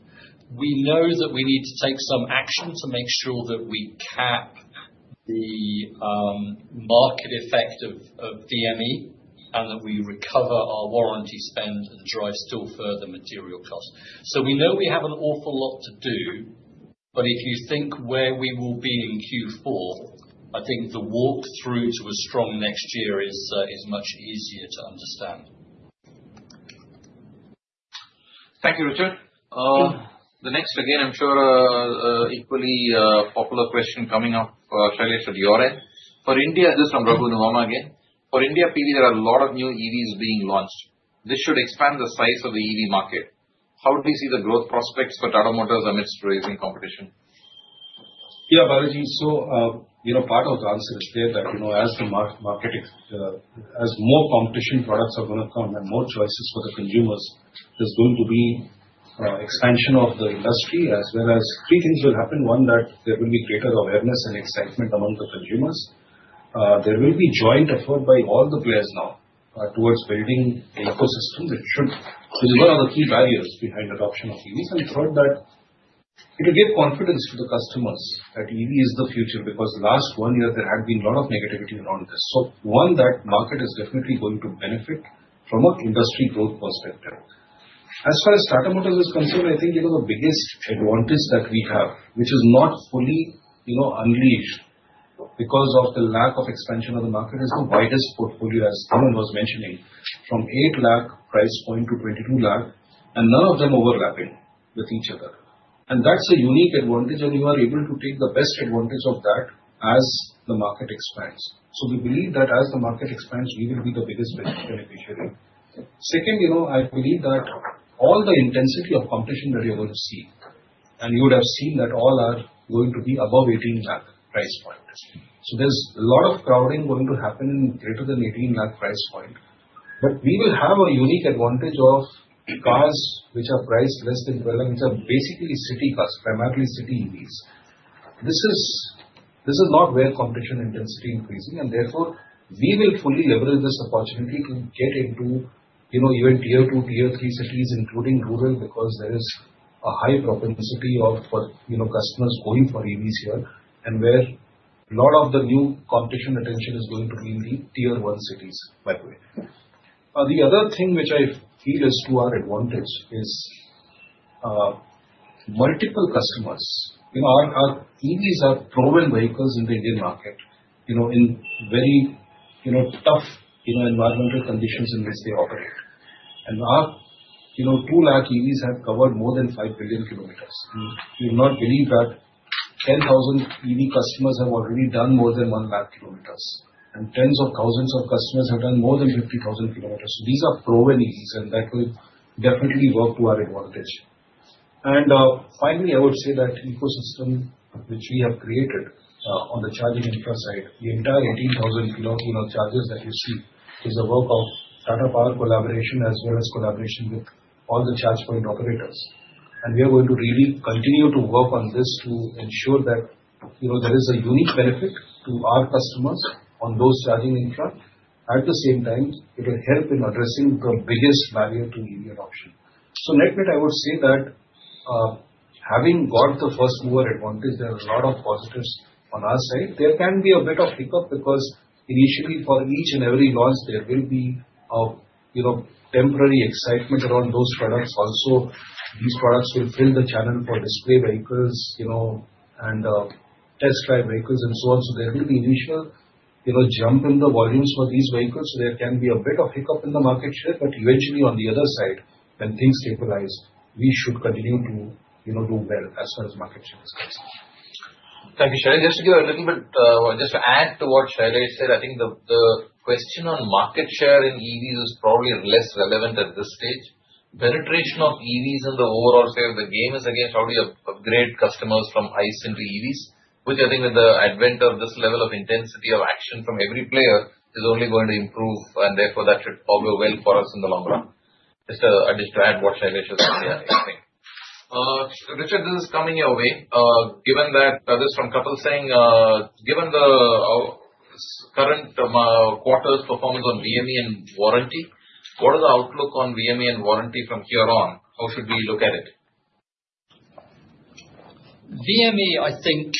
We know that we need to take some action to make sure that we cap the market effect of VME and that we recover our warranty spend and drive still further material costs. So we know we have an awful lot to do, but if you think where we will be in Q4, I think the walk-through to a strong next year is much easier to understand. Thank you, Richard. The next, again, I'm sure equally popular question coming up, Shelish, at your end. For India, this is from Raghu Nuvama again. For India PV, there are a lot of new EVs being launched. This should expand the size of the EV market. How do you see the growth prospects for Tata Motors amidst rising competition? Yeah, Balaji. So part of the answer is clear that as the market, as more competition products are going to come and more choices for the consumers, there's going to be expansion of the industry, as well as three things will happen. One, that there will be greater awareness and excitement among the consumers. There will be joint effort by all the players now towards building the ecosystem. This is one of the key barriers behind the adoption of EVs. And third, that it will give confidence to the customers that EV is the future because last one year, there had been a lot of negativity around this. So one, that market is definitely going to benefit from an industry growth perspective. As far as Tata Motors is concerned, I think the biggest advantage that we have, which is not fully unleashed because of the lack of expansion of the market, is the widest portfolio, as Devan was mentioning, from 8 lakh price point to 22 lakh, and none of them overlapping with each other. That's a unique advantage, and you are able to take the best advantage of that as the market expands. We believe that as the market expands, we will be the biggest beneficiary. Second, I believe that all the intensity of competition that you're going to see, and you would have seen that all are going to be above 18 lakh price point. There's a lot of crowding going to happen in greater than 18 lakh price point. We will have a unique advantage of cars which are priced less than 12 lakh, which are basically city cars, primarily city EVs. This is not where competition intensity is increasing, and therefore, we will fully leverage this opportunity to get into even tier two, tier three cities, including rural, because there is a high propensity of customers going for EVs here, and where a lot of the new competition attention is going to be in the tier one cities, by the way. The other thing which I feel is to our advantage is multiple customers. Our EVs are proven vehicles in the Indian market in very tough environmental conditions in which they operate. Our 200,000 EVs have covered more than 5 billion km. You will not believe that 10,000 EV customers have already done more than 1 lakh km, and tens of thousands of customers have done more than 50,000 km. These are proven EVs, and that will definitely work to our advantage. Finally, I would say that the ecosystem which we have created on the charging infra side, the entire 18,000 kW chargers that you see, is the work of Tata Power Collaboration, as well as collaboration with all the charge point operators. We are going to really continue to work on this to ensure that there is a unique benefit to our customers on those charging infra. At the same time, it will help in addressing the biggest barrier to EV adoption. Net net, I would say that having got the first mover advantage, there are a lot of positives on our side. There can be a bit of hiccup because initially, for each and every launch, there will be temporary excitement around those products. Also, these products will fill the channel for display vehicles and test drive vehicles and so on. There will be an initial jump in the volumes for these vehicles. There can be a bit of hiccup in the market share. But eventually, on the other side, when things stabilize, we should continue to do well as far as market share is concerned. Thank you, Shelish. Just to give a little bit, just to add to what Shelish said, I think the question on market share in EVs is probably less relevant at this stage. Penetration of EVs in the overall, say, the game is against how do you upgrade customers from ICE into EVs, which I think with the advent of this level of intensity of action from every player is only going to improve, and therefore, that should probably work well for us in the long run. Just to add what Shelish is saying, I think. Richard, this is coming your way. Given that this is from Couplesync, given the current quarter's performance on VME and warranty, what is the outlook on VME and warranty from here on? How should we look at it? VME, I think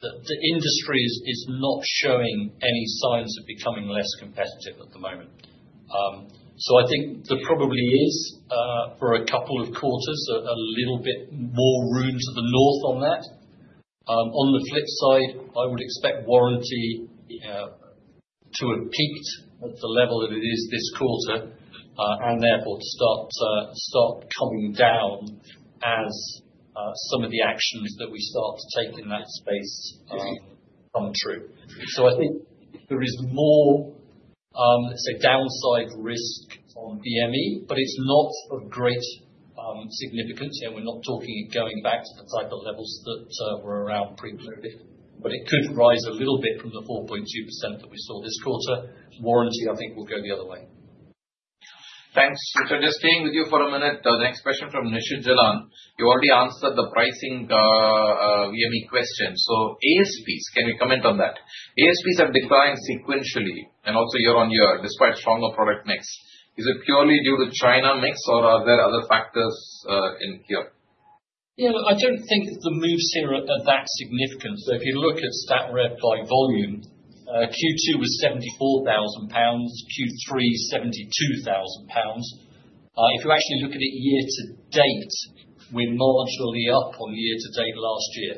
the industry is not showing any signs of becoming less competitive at the moment. So I think there probably is, for a couple of quarters, a little bit more room to the north on that. On the flip side, I would expect warranty to have peaked at the level that it is this quarter and therefore to start coming down as some of the actions that we start to take in that space come true. I think there is more, let's say, downside risk on VME, but it's not of great significance. We're not talking it going back to the type of levels that were around pre-COVID, but it could rise a little bit from the 4.2% that we saw this quarter. Warranty, I think, will go the other way. Thanks. Richard, just staying with you for a minute, the next question from Nishit Jalan. You already answered the pricing VME question. So ASPs, can you comment on that? ASPs are declining sequentially and also year on year, despite stronger product mix. Is it purely due to China mix, or are there other factors in here? Yeah, I don't think the moves here are that significant. If you look at StatRev by volume, Q2 was 74,000 pounds, Q3 72,000 pounds. If you actually look at it year to date, we're marginally up on year to date last year.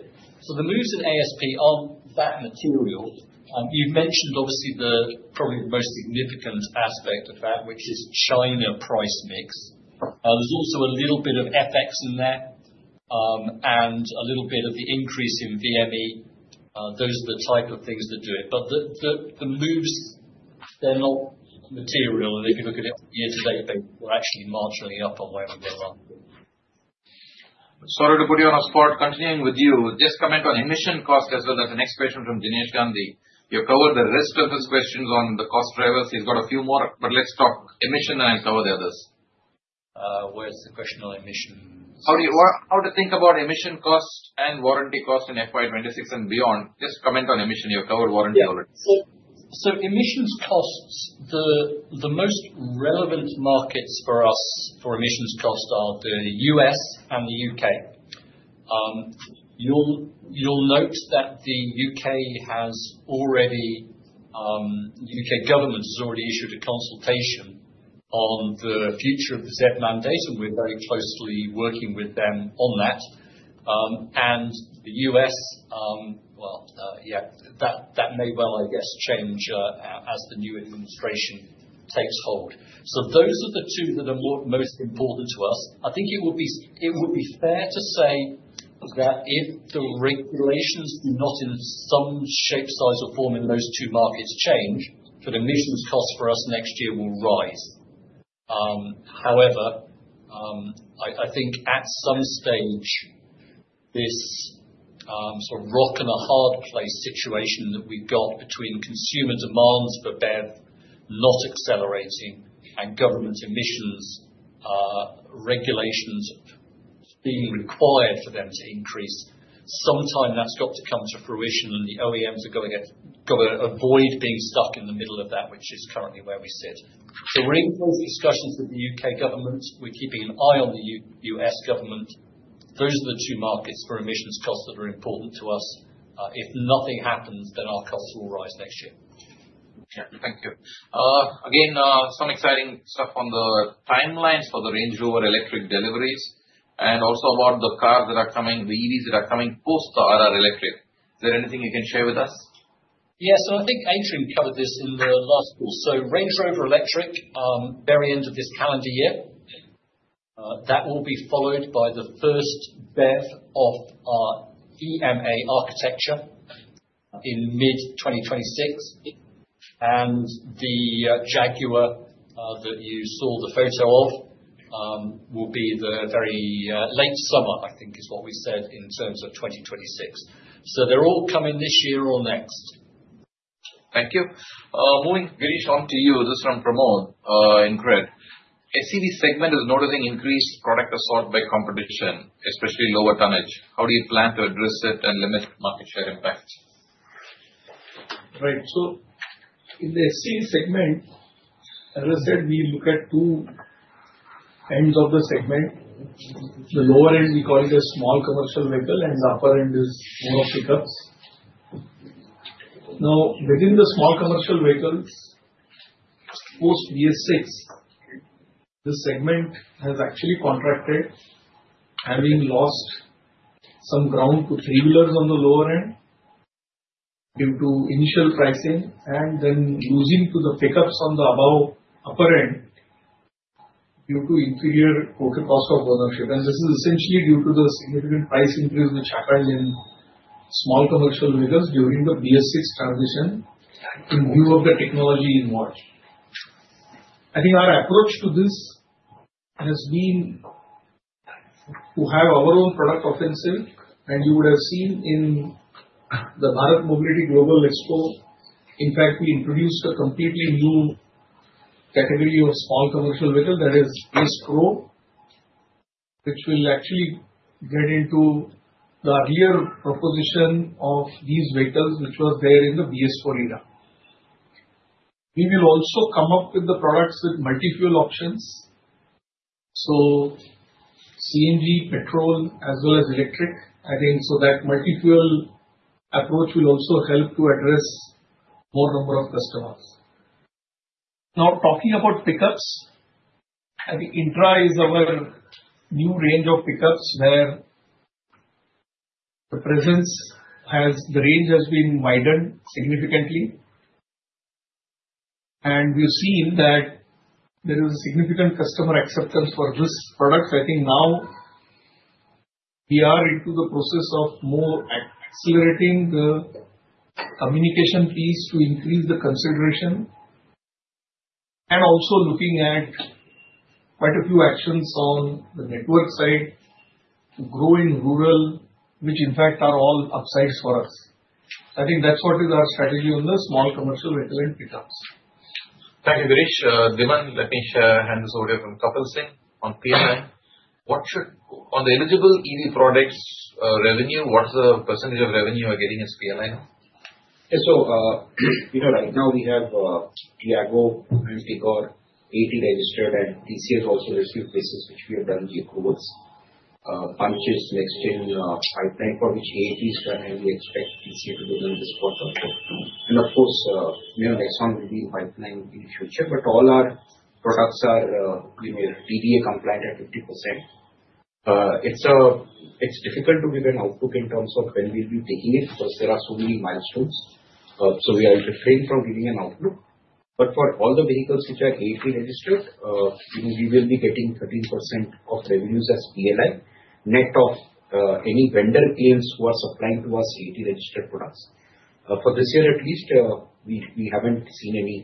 The moves in ASP are not that material. You've mentioned, obviously, probably the most significant aspect of that, which is China price mix. There's also a little bit of FX in there and a little bit of the increase in VME. Those are the type of things that do it. But the moves, they're not material. If you look at it on a year-to-date basis, we're actually marginally up on where we were last year. Sorry to put you on the spot. Continuing with you, just comment on emission cost as well as the next question from Girish. You covered the rest of his questions on the cost drivers. He's got a few more, but let's talk emission, and I'll cover the others. Where's the question on emissions? How to think about emission cost and warranty cost in FY26 and beyond? Just comment on emission. You've covered warranty already. Emissions costs, the most relevant markets for us for emissions costs are the U.S. and the U.K. You'll note that the U.K. has already, the U.K. government has already issued a consultation on the future of the ZEV mandate, and we're very closely working with them on that. And the U.S., well, yeah, that may well, I guess, change as the new administration takes hold. Those are the two that are most important to us. I think it would be fair to say that if the regulations do not, in some shape, size, or form, in those two markets change, that emissions costs for us next year will rise. However, I think at some stage, this sort of rock-and-a-hard-place situation that we've got between consumer demands for BEV not accelerating and government emissions regulations being required for them to increase, sometime that's got to come to fruition, and the OEMs are going to avoid being stuck in the middle of that, which is currently where we sit. So we're in close discussions with the U.K. government. We're keeping an eye on the U.S. government. Those are the two markets for emissions costs that are important to us. If nothing happens, then our costs will rise next year. Yeah, thank you. Again, some exciting stuff on the timelines for the Range Rover Electric deliveries and also about the cars that are coming, the EVs that are coming post Tata Electric. Is there anything you can share with us? Adrian covered this in the last call. Range Rover Electric, very end of this calendar year, that will be followed by the first BEV of our EMA architecture in mid-2026. The Jaguar that you saw the photo of will be the very late summer, I think, is what we said in terms of 2026. They're all coming this year or next. Thank you. Moving on, Girish, to you. This is from Pramod in Crete. SCV segment is noticing increased product assault by competition, especially lower tonnage. How do you plan to address it and limit market share impacts? Right. So in the SCV segment, as I said, we look at two ends of the segment. The lower end, we call it a small commercial vehicle, and the upper end is more of pickups. Now, within the small commercial vehicles, post BS6, this segment has actually contracted, having lost some ground to three-wheelers on the lower end due to initial pricing and then losing to the pickups on the upper end due to inferior total cost of ownership. This is essentially due to the significant price increase which happened in small commercial vehicles during the BS6 transition in view of the technology march. Our approach to this has been to have our own product offensive, and you would have seen in the Bharat Mobility Global Expo. In fact, we introduced a completely new category of small commercial vehicle that is VS Pro, which will actually get into the rear proposition of these vehicles, which was there in the BS4 era. We will also come up with the products with multi-fuel options, so CNG, petrol, as well as electric, so that multi-fuel approach will also help to address more number of customers. Now, talking about pickups, Intra is our new range of pickups where the presence has the range has been widened significantly. We've seen that there is a significant customer acceptance for this product. Now we are into the process of more accelerating the communication piece to increase the consideration and also looking at quite a few actions on the network side to grow in rural, which, in fact, are all upsides for us. I think that's what is our strategy on the small commercial vehicle and pickups. Thank you, Girish. Diman, let me hand this over to you from Coupang on PLI. What should on the eligible EV products revenue, what's the percentage of revenue you are getting as PLI? Right now we have Tiago, Anticor, AAT registered, and TAC has also received basis, which we have done the approvals. Punch is next in pipeline for which ATs done, and we expect TAC to be done this quarter. Of course, next one will be in pipeline in the future, but all our products are DVA compliant at 50%. It's difficult to give an outlook in terms of when we'll be taking it because there are so many milestones. We are in the frame from giving an outlook. But for all the vehicles which are AAT registered, we will be getting 13% of revenues as PLI net of any vendor claims who are supplying to us AAT registered products. For this year, at least, we haven't seen any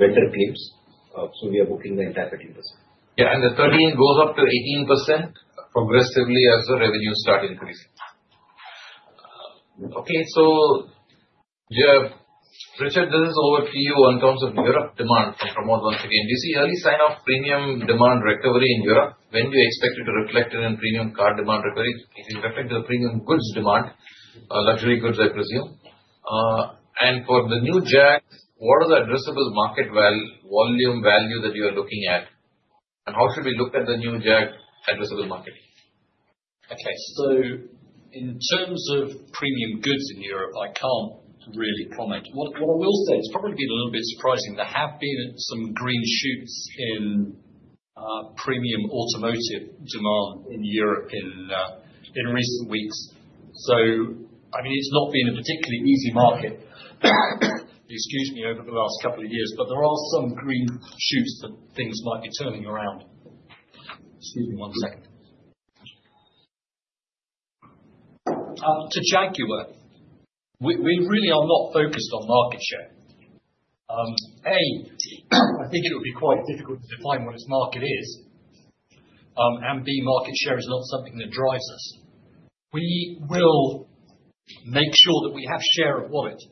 vendor claims, so we are booking the entire 13%. Yeah, and the 13% goes up to 18% progressively as the revenues start increasing. Okay, so Richard, this is over to you in terms of Europe demand from Pramod once again. Do you see early signs of premium demand recovery in Europe? When do you expect it to reflect in premium car demand recovery? It reflects the premium goods demand, luxury goods, I presume. For the new JAG, what are the addressable market volume values that you are looking at? How should we look at the new JAG addressable market? In terms of premium goods in Europe, I can't really comment. What I will say, it's probably been a little bit surprising. There have been some green shoots in premium automotive demand in Europe in recent weeks. I mean, it's not been a particularly easy market over the last couple of years, but there are some green shoots that things might be turning around. To Jaguar, we really are not focused on market share. I think it would be quite difficult to define what its market is. Market share is not something that drives us. We will make sure that we have share of what it.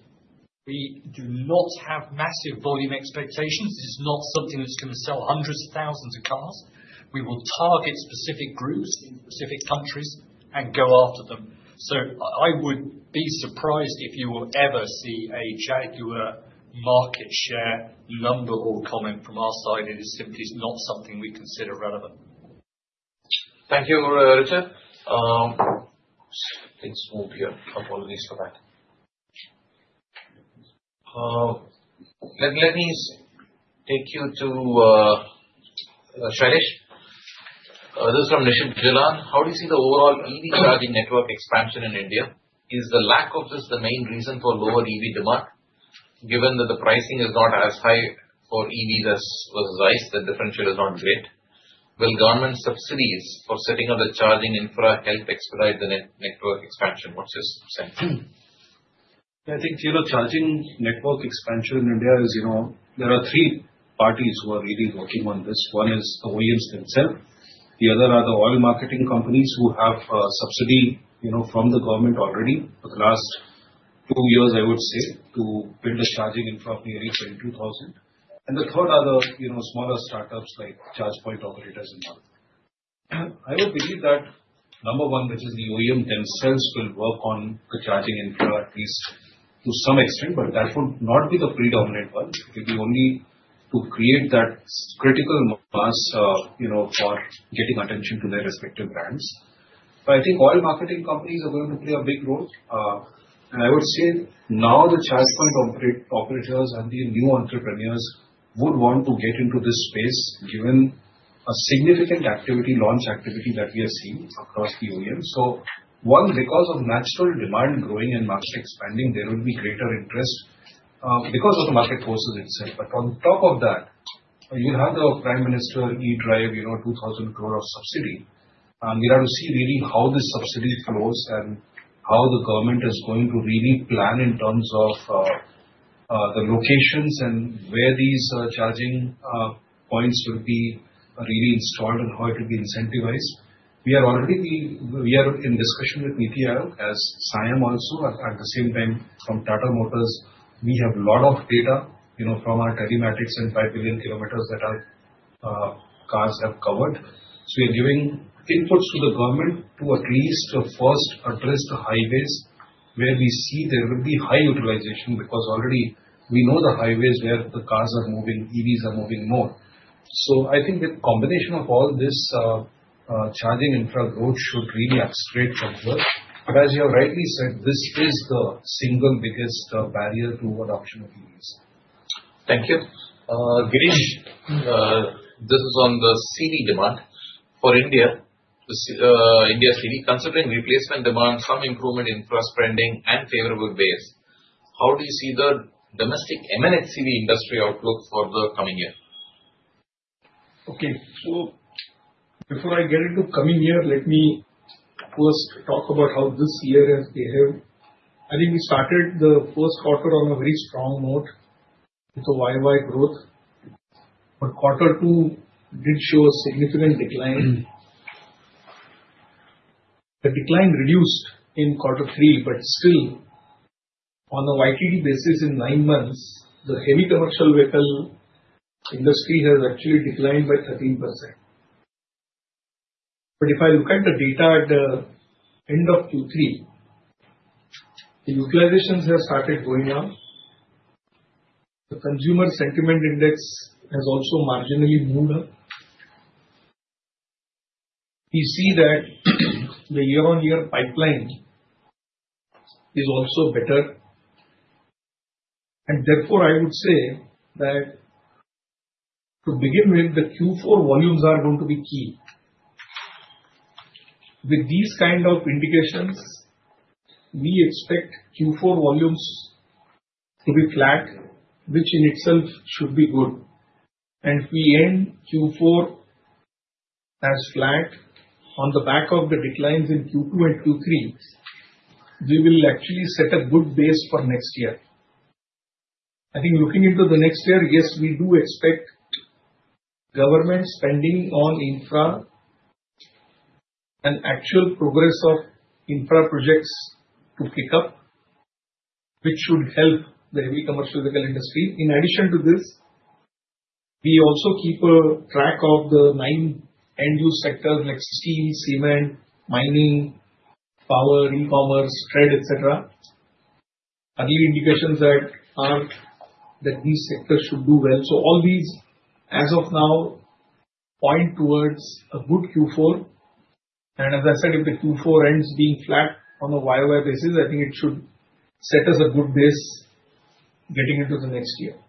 We do not have massive volume expectations. It's not something that's going to sell hundreds of thousands of cars. We will target specific groups in specific countries and go after them. I would be surprised if you will ever see a Jaguar market share number or comment from our side. It is simply not something we consider relevant. Thank you, Richard. I think we'll be a couple of minutes for that. Let me take you to Shailesh. This is from Nishit Jalan. How do you see the overall EV charging network expansion in India? Is the lack of this the main reason for lower EV demand? Given that the pricing is not as high for EVs versus ICE, the differential is not great. Will government subsidies for setting up the charging infrastructure help expedite the network expansion? What's your sense? Yeah, I think charging network expansion in India is there are three parties who are really working on this. One is the OEMs themselves. The other are the oil marketing companies who have subsidy from the government already for the last two years, I would say, to build a charging infra of nearly 22,000. And the third are the smaller startups like ChargePoint operators and others. I would believe that number one, which is the OEM themselves, will work on the charging infra at least to some extent, but that would not be the predominant one. It will be only to create that critical mass for getting attention to their respective brands. But I think oil marketing companies are going to play a big role. I would say now the ChargePoint operators and the new entrepreneurs would want to get into this space given significant activity, launch activity that we have seen across the OEMs. One, because of natural demand growing and market expanding, there will be greater interest because of the market forces itself. But on top of that, you have the Prime Minister eDrive, 2,000 crore of subsidy. We have to see really how this subsidy flows and how the government is going to really plan in terms of the locations and where these charging points will be really installed and how it will be incentivized. We are already in discussion with EESL as SIAM also. At the same time, from Tata Motors, we have a lot of data from our telematics and 5 billion kilometers that our cars have covered. We are giving inputs to the government to at least first address the highways where we see there will be high utilization because already we know the highways where the cars are moving, EVs are moving more. I think the combination of all this charging infra growth should really accelerate from here. But as you have rightly said, this is the single biggest barrier to adoption of EVs. Thank you. Dinesh, this is on the CV demand. For India, India CV, considering replacement demand, some improvement in infrastructure spending and favorable base, how do you see the domestic M&HCV industry outlook for the coming year? Before I get into the coming year, let me first talk about how this year has behaved. I think we started the first quarter on a very strong note with the year-over-year growth. But quarter two did show a significant decline. The decline reduced in quarter three, but still on a year-to-date basis in nine months, the heavy commercial vehicle industry has actually declined by 13%. But if I look at the data at the end of Q3, the utilizations have started going up. The consumer sentiment index has also marginally moved up. We see that the year-on-year pipeline is also better. Therefore, I would say that to begin with, the Q4 volumes are going to be key. With these kind of indications, we expect Q4 volumes to be flat, which in itself should be good. If we end Q4 as flat on the back of the declines in Q2 and Q3, we will actually set a good base for next year. I think looking into the next year, yes, we do expect government spending on infra and actual progress of infra projects to pick up, which should help the heavy commercial vehicle industry. In addition to this, we also keep track of the nine end-use sectors like steel, cement, mining, power, e-commerce, trade, etc. Other indications are that these sectors should do well. So all these, as of now, point towards a good Q4. As I said, if the Q4 ends being flat on a YY basis, I think it should set us a good base getting into the next year.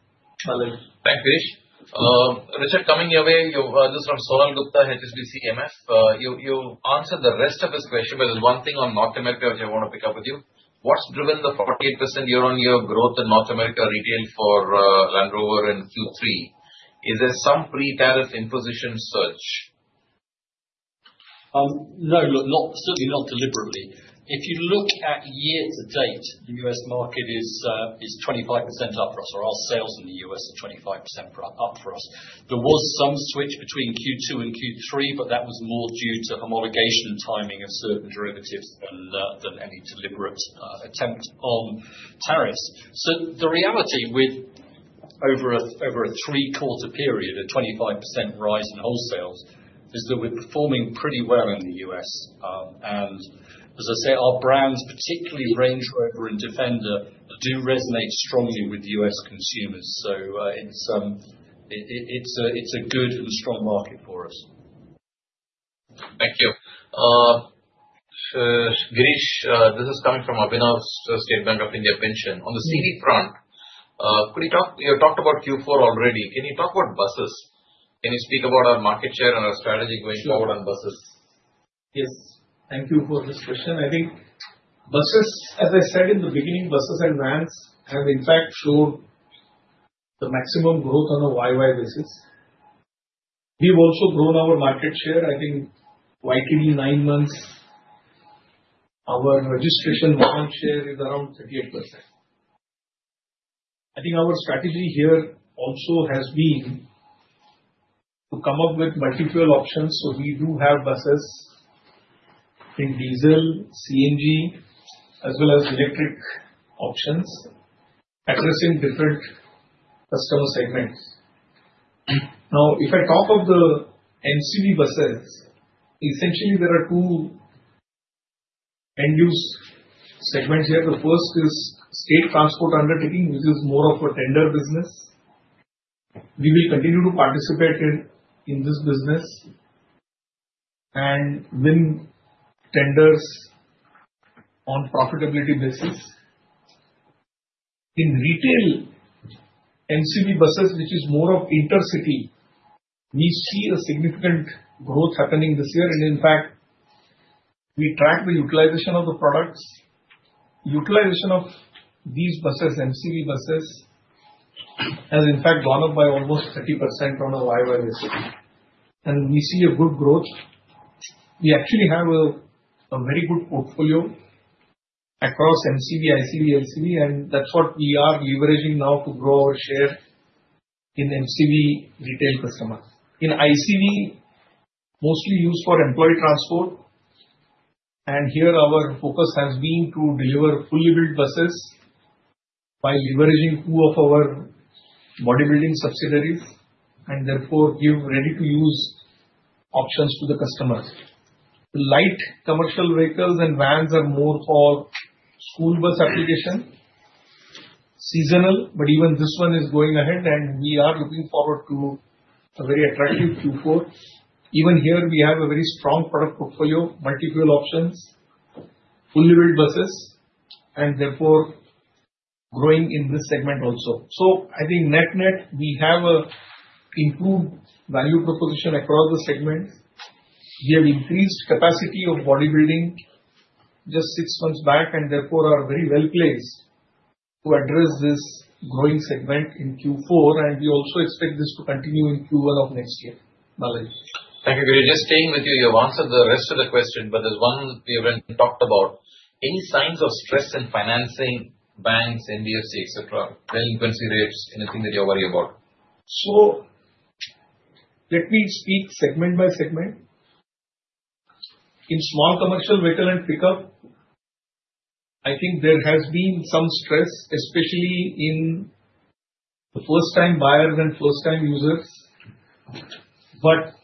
Thank you, Girish. Richard, coming your way, this is from Sonal Gupta, HSBC MF. You answered the rest of his question, but there's one thing on North America which I want to pick up with you. What's driven the 48% year-on-year growth in North America retail for Land Rover in Q3? Is there some pre-tax imposition surge? No, certainly not deliberately. If you look at year to date, the U.S. market is 25% up for us, or our sales in the U.S. are 25% up for us. There was some switch between Q2 and Q3, but that was more due to homologation timing of certain derivatives than any deliberate attempt on tariffs. So the reality with over a three-quarter period, a 25% rise in wholesales is that we're performing pretty well in the U.S. As I say, our brands, particularly Range Rover and Defender, do resonate strongly with U.S. consumers. So it's a good and strong market for us. Thank you. Dine this is coming from Abhinav's State Bank of India pension. On the CV front, you talked about Q4 already. Can you talk about buses? Can you speak about our market share and our strategy going forward on buses? Yes, thank you for this question. I think buses, as I said in the beginning, buses and vans have in fact showed the maximum growth on a year-over-year basis. We've also grown our market share. I think year-to-date nine months, our registration volume share is around 38%. I think our strategy here also has been to come up with multi-fuel options. So we do have buses, I think diesel, CNG, as well as electric options, addressing different customer segments. Now, if I talk of the HCV buses, essentially there are two end-use segments here. The first is state transport undertaking, which is more of a tender business. We will continue to participate in this business and win tenders on profitability basis. In retail HCV buses, which is more of intercity, we see a significant growth happening this year. In fact, we track the utilization of the products. Utilization of these buses, HCV buses, has in fact gone up by almost 30% on a year-over-year basis. We see good growth. We actually have a very good portfolio across HCV, ICV, LCV, and that's what we are leveraging now to grow our share in HCV retail customers. In ICV, mostly used for employee transport. Here our focus has been to deliver fully built buses by leveraging two of our bodybuilding subsidiaries and therefore give ready-to-use options to the customers. Light commercial vehicles and vans are more for school bus application, seasonal, but even this one is going ahead and we are looking forward to a very attractive Q4. Even here, we have a very strong product portfolio, multi-fuel options, fully built buses, and therefore growing in this segment also. I think net net, we have an improved value proposition across the segments. We have increased capacity of bodybuilding just six months back and therefore are very well placed to address this growing segment in Q4. We also expect this to continue in Q1 of next year. Thank you, Guruji. Just staying with you, you've answered the rest of the question, but there's one we haven't talked about. Any signs of stress in financing, banks, NBFC, etc., delinquency rates, anything that you're worried about? Let me speak segment by segment. In small commercial vehicle and pickup, I think there has been some stress, especially in the first-time buyers and first-time users. But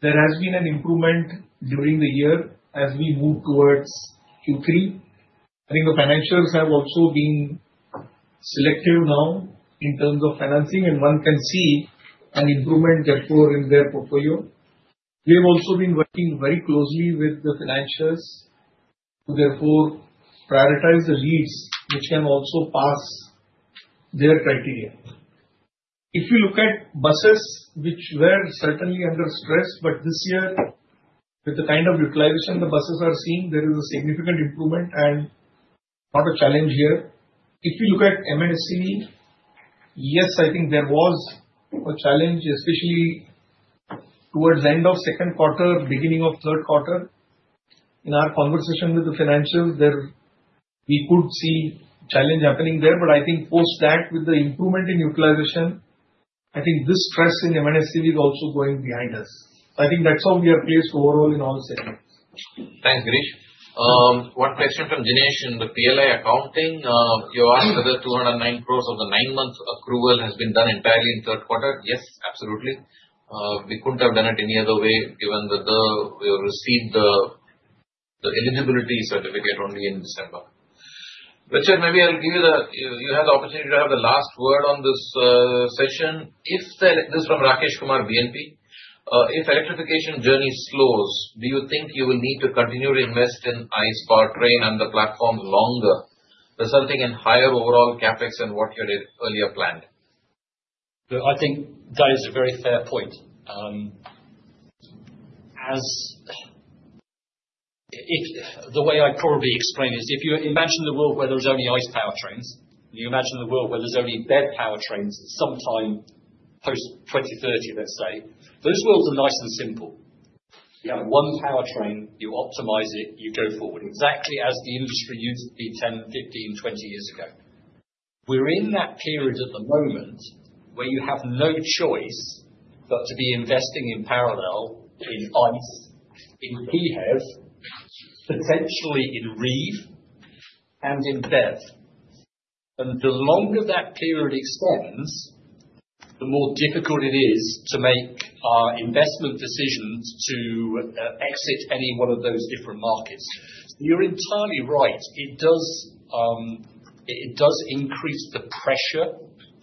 there has been an improvement during the year as we move towards Q3. I think the financials have also been selective now in terms of financing, and one can see an improvement therefore in their portfolio. We have also been working very closely with the financials to therefore prioritize the leads which can also pass their criteria. If you look at buses, which were certainly under stress, but this year with the kind of utilization the buses are seeing, there is a significant improvement and not a challenge here. If you look at M&HCV, yes, I think there was a challenge, especially towards the end of second quarter, beginning of third quarter. In our conversation with the financials, we could see challenge happening there. But I think post that, with the improvement in utilization, I think this stress in M&HCV is also going behind us. I think that's how we are placed overall in all segments. Thanks, Guruji. One question from Dinesh in the PLI accounting. You asked whether 209 crores of the nine-month accrual has been done entirely in third quarter. Yes, absolutely. We couldn't have done it any other way given that you received the eligibility certificate only in December. Richard, maybe I'll give you the opportunity to have the last word on this session. This is from Rakesh Kumar, BNP. If electrification journey slows, do you think you will need to continue to invest in ICE, powertrain, and the platform longer, resulting in higher overall capex than what you had earlier planned? I think that is a very fair point. The way I'd probably explain is if you imagine the world where there's only ICE powertrains, and you imagine the world where there's only BEV powertrains sometime post 2030, let's say, those worlds are nice and simple. You have one powertrain, you optimize it, you go forward exactly as the industry used to be 10, 15, 20 years ago. We're in that period at the moment where you have no choice but to be investing in parallel in ICE, in PHEV, potentially in REEV, and in BEV. The longer that period extends, the more difficult it is to make investment decisions to exit any one of those different markets. You're entirely right. It does increase the pressure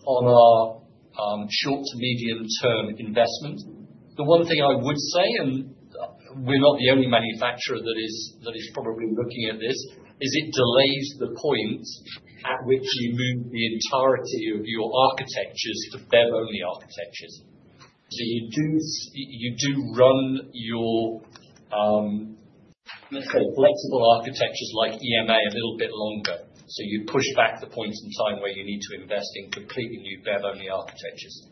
on our short to medium-term investment. The one thing I would say, and we're not the only manufacturer that is probably looking at this, is it delays the point at which you move the entirety of your architectures to BEV-only architectures. So you do run your, let's say, flexible architectures like EMA a little bit longer. So you push back the points in time where you need to invest in completely new BEV-only architectures.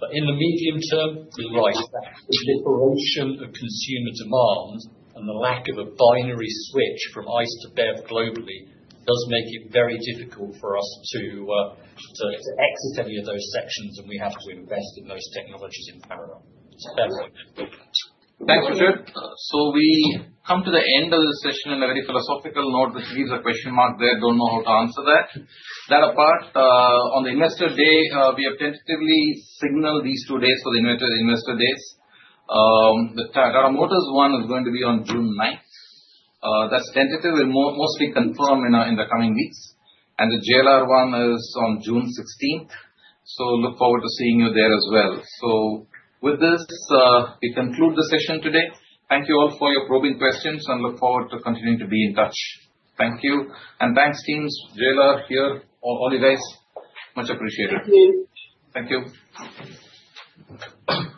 But in the medium term, you're right, the liberation of consumer demand and the lack of a binary switch from ICE to BEV globally does make it very difficult for us to exit any of those sections, and we have to invest in those technologies in parallel. Thanks, Richard. We come to the end of the session on a very philosophical note which leaves a question mark there. Don't know how to answer that. That apart, on the investor day, we have tentatively signaled these two days for the investor days. The Tata Motors one is going to be on June 9th. That's tentative. We'll mostly confirm in the coming weeks. The JLR one is on June 16th. Look forward to seeing you there as well. With this, we conclude the session today. Thank you all for your probing questions and look forward to continuing to be in touch. Thank you. Thanks, teams, JLR here, all you guys. Much appreciated. Thank you. Thank you.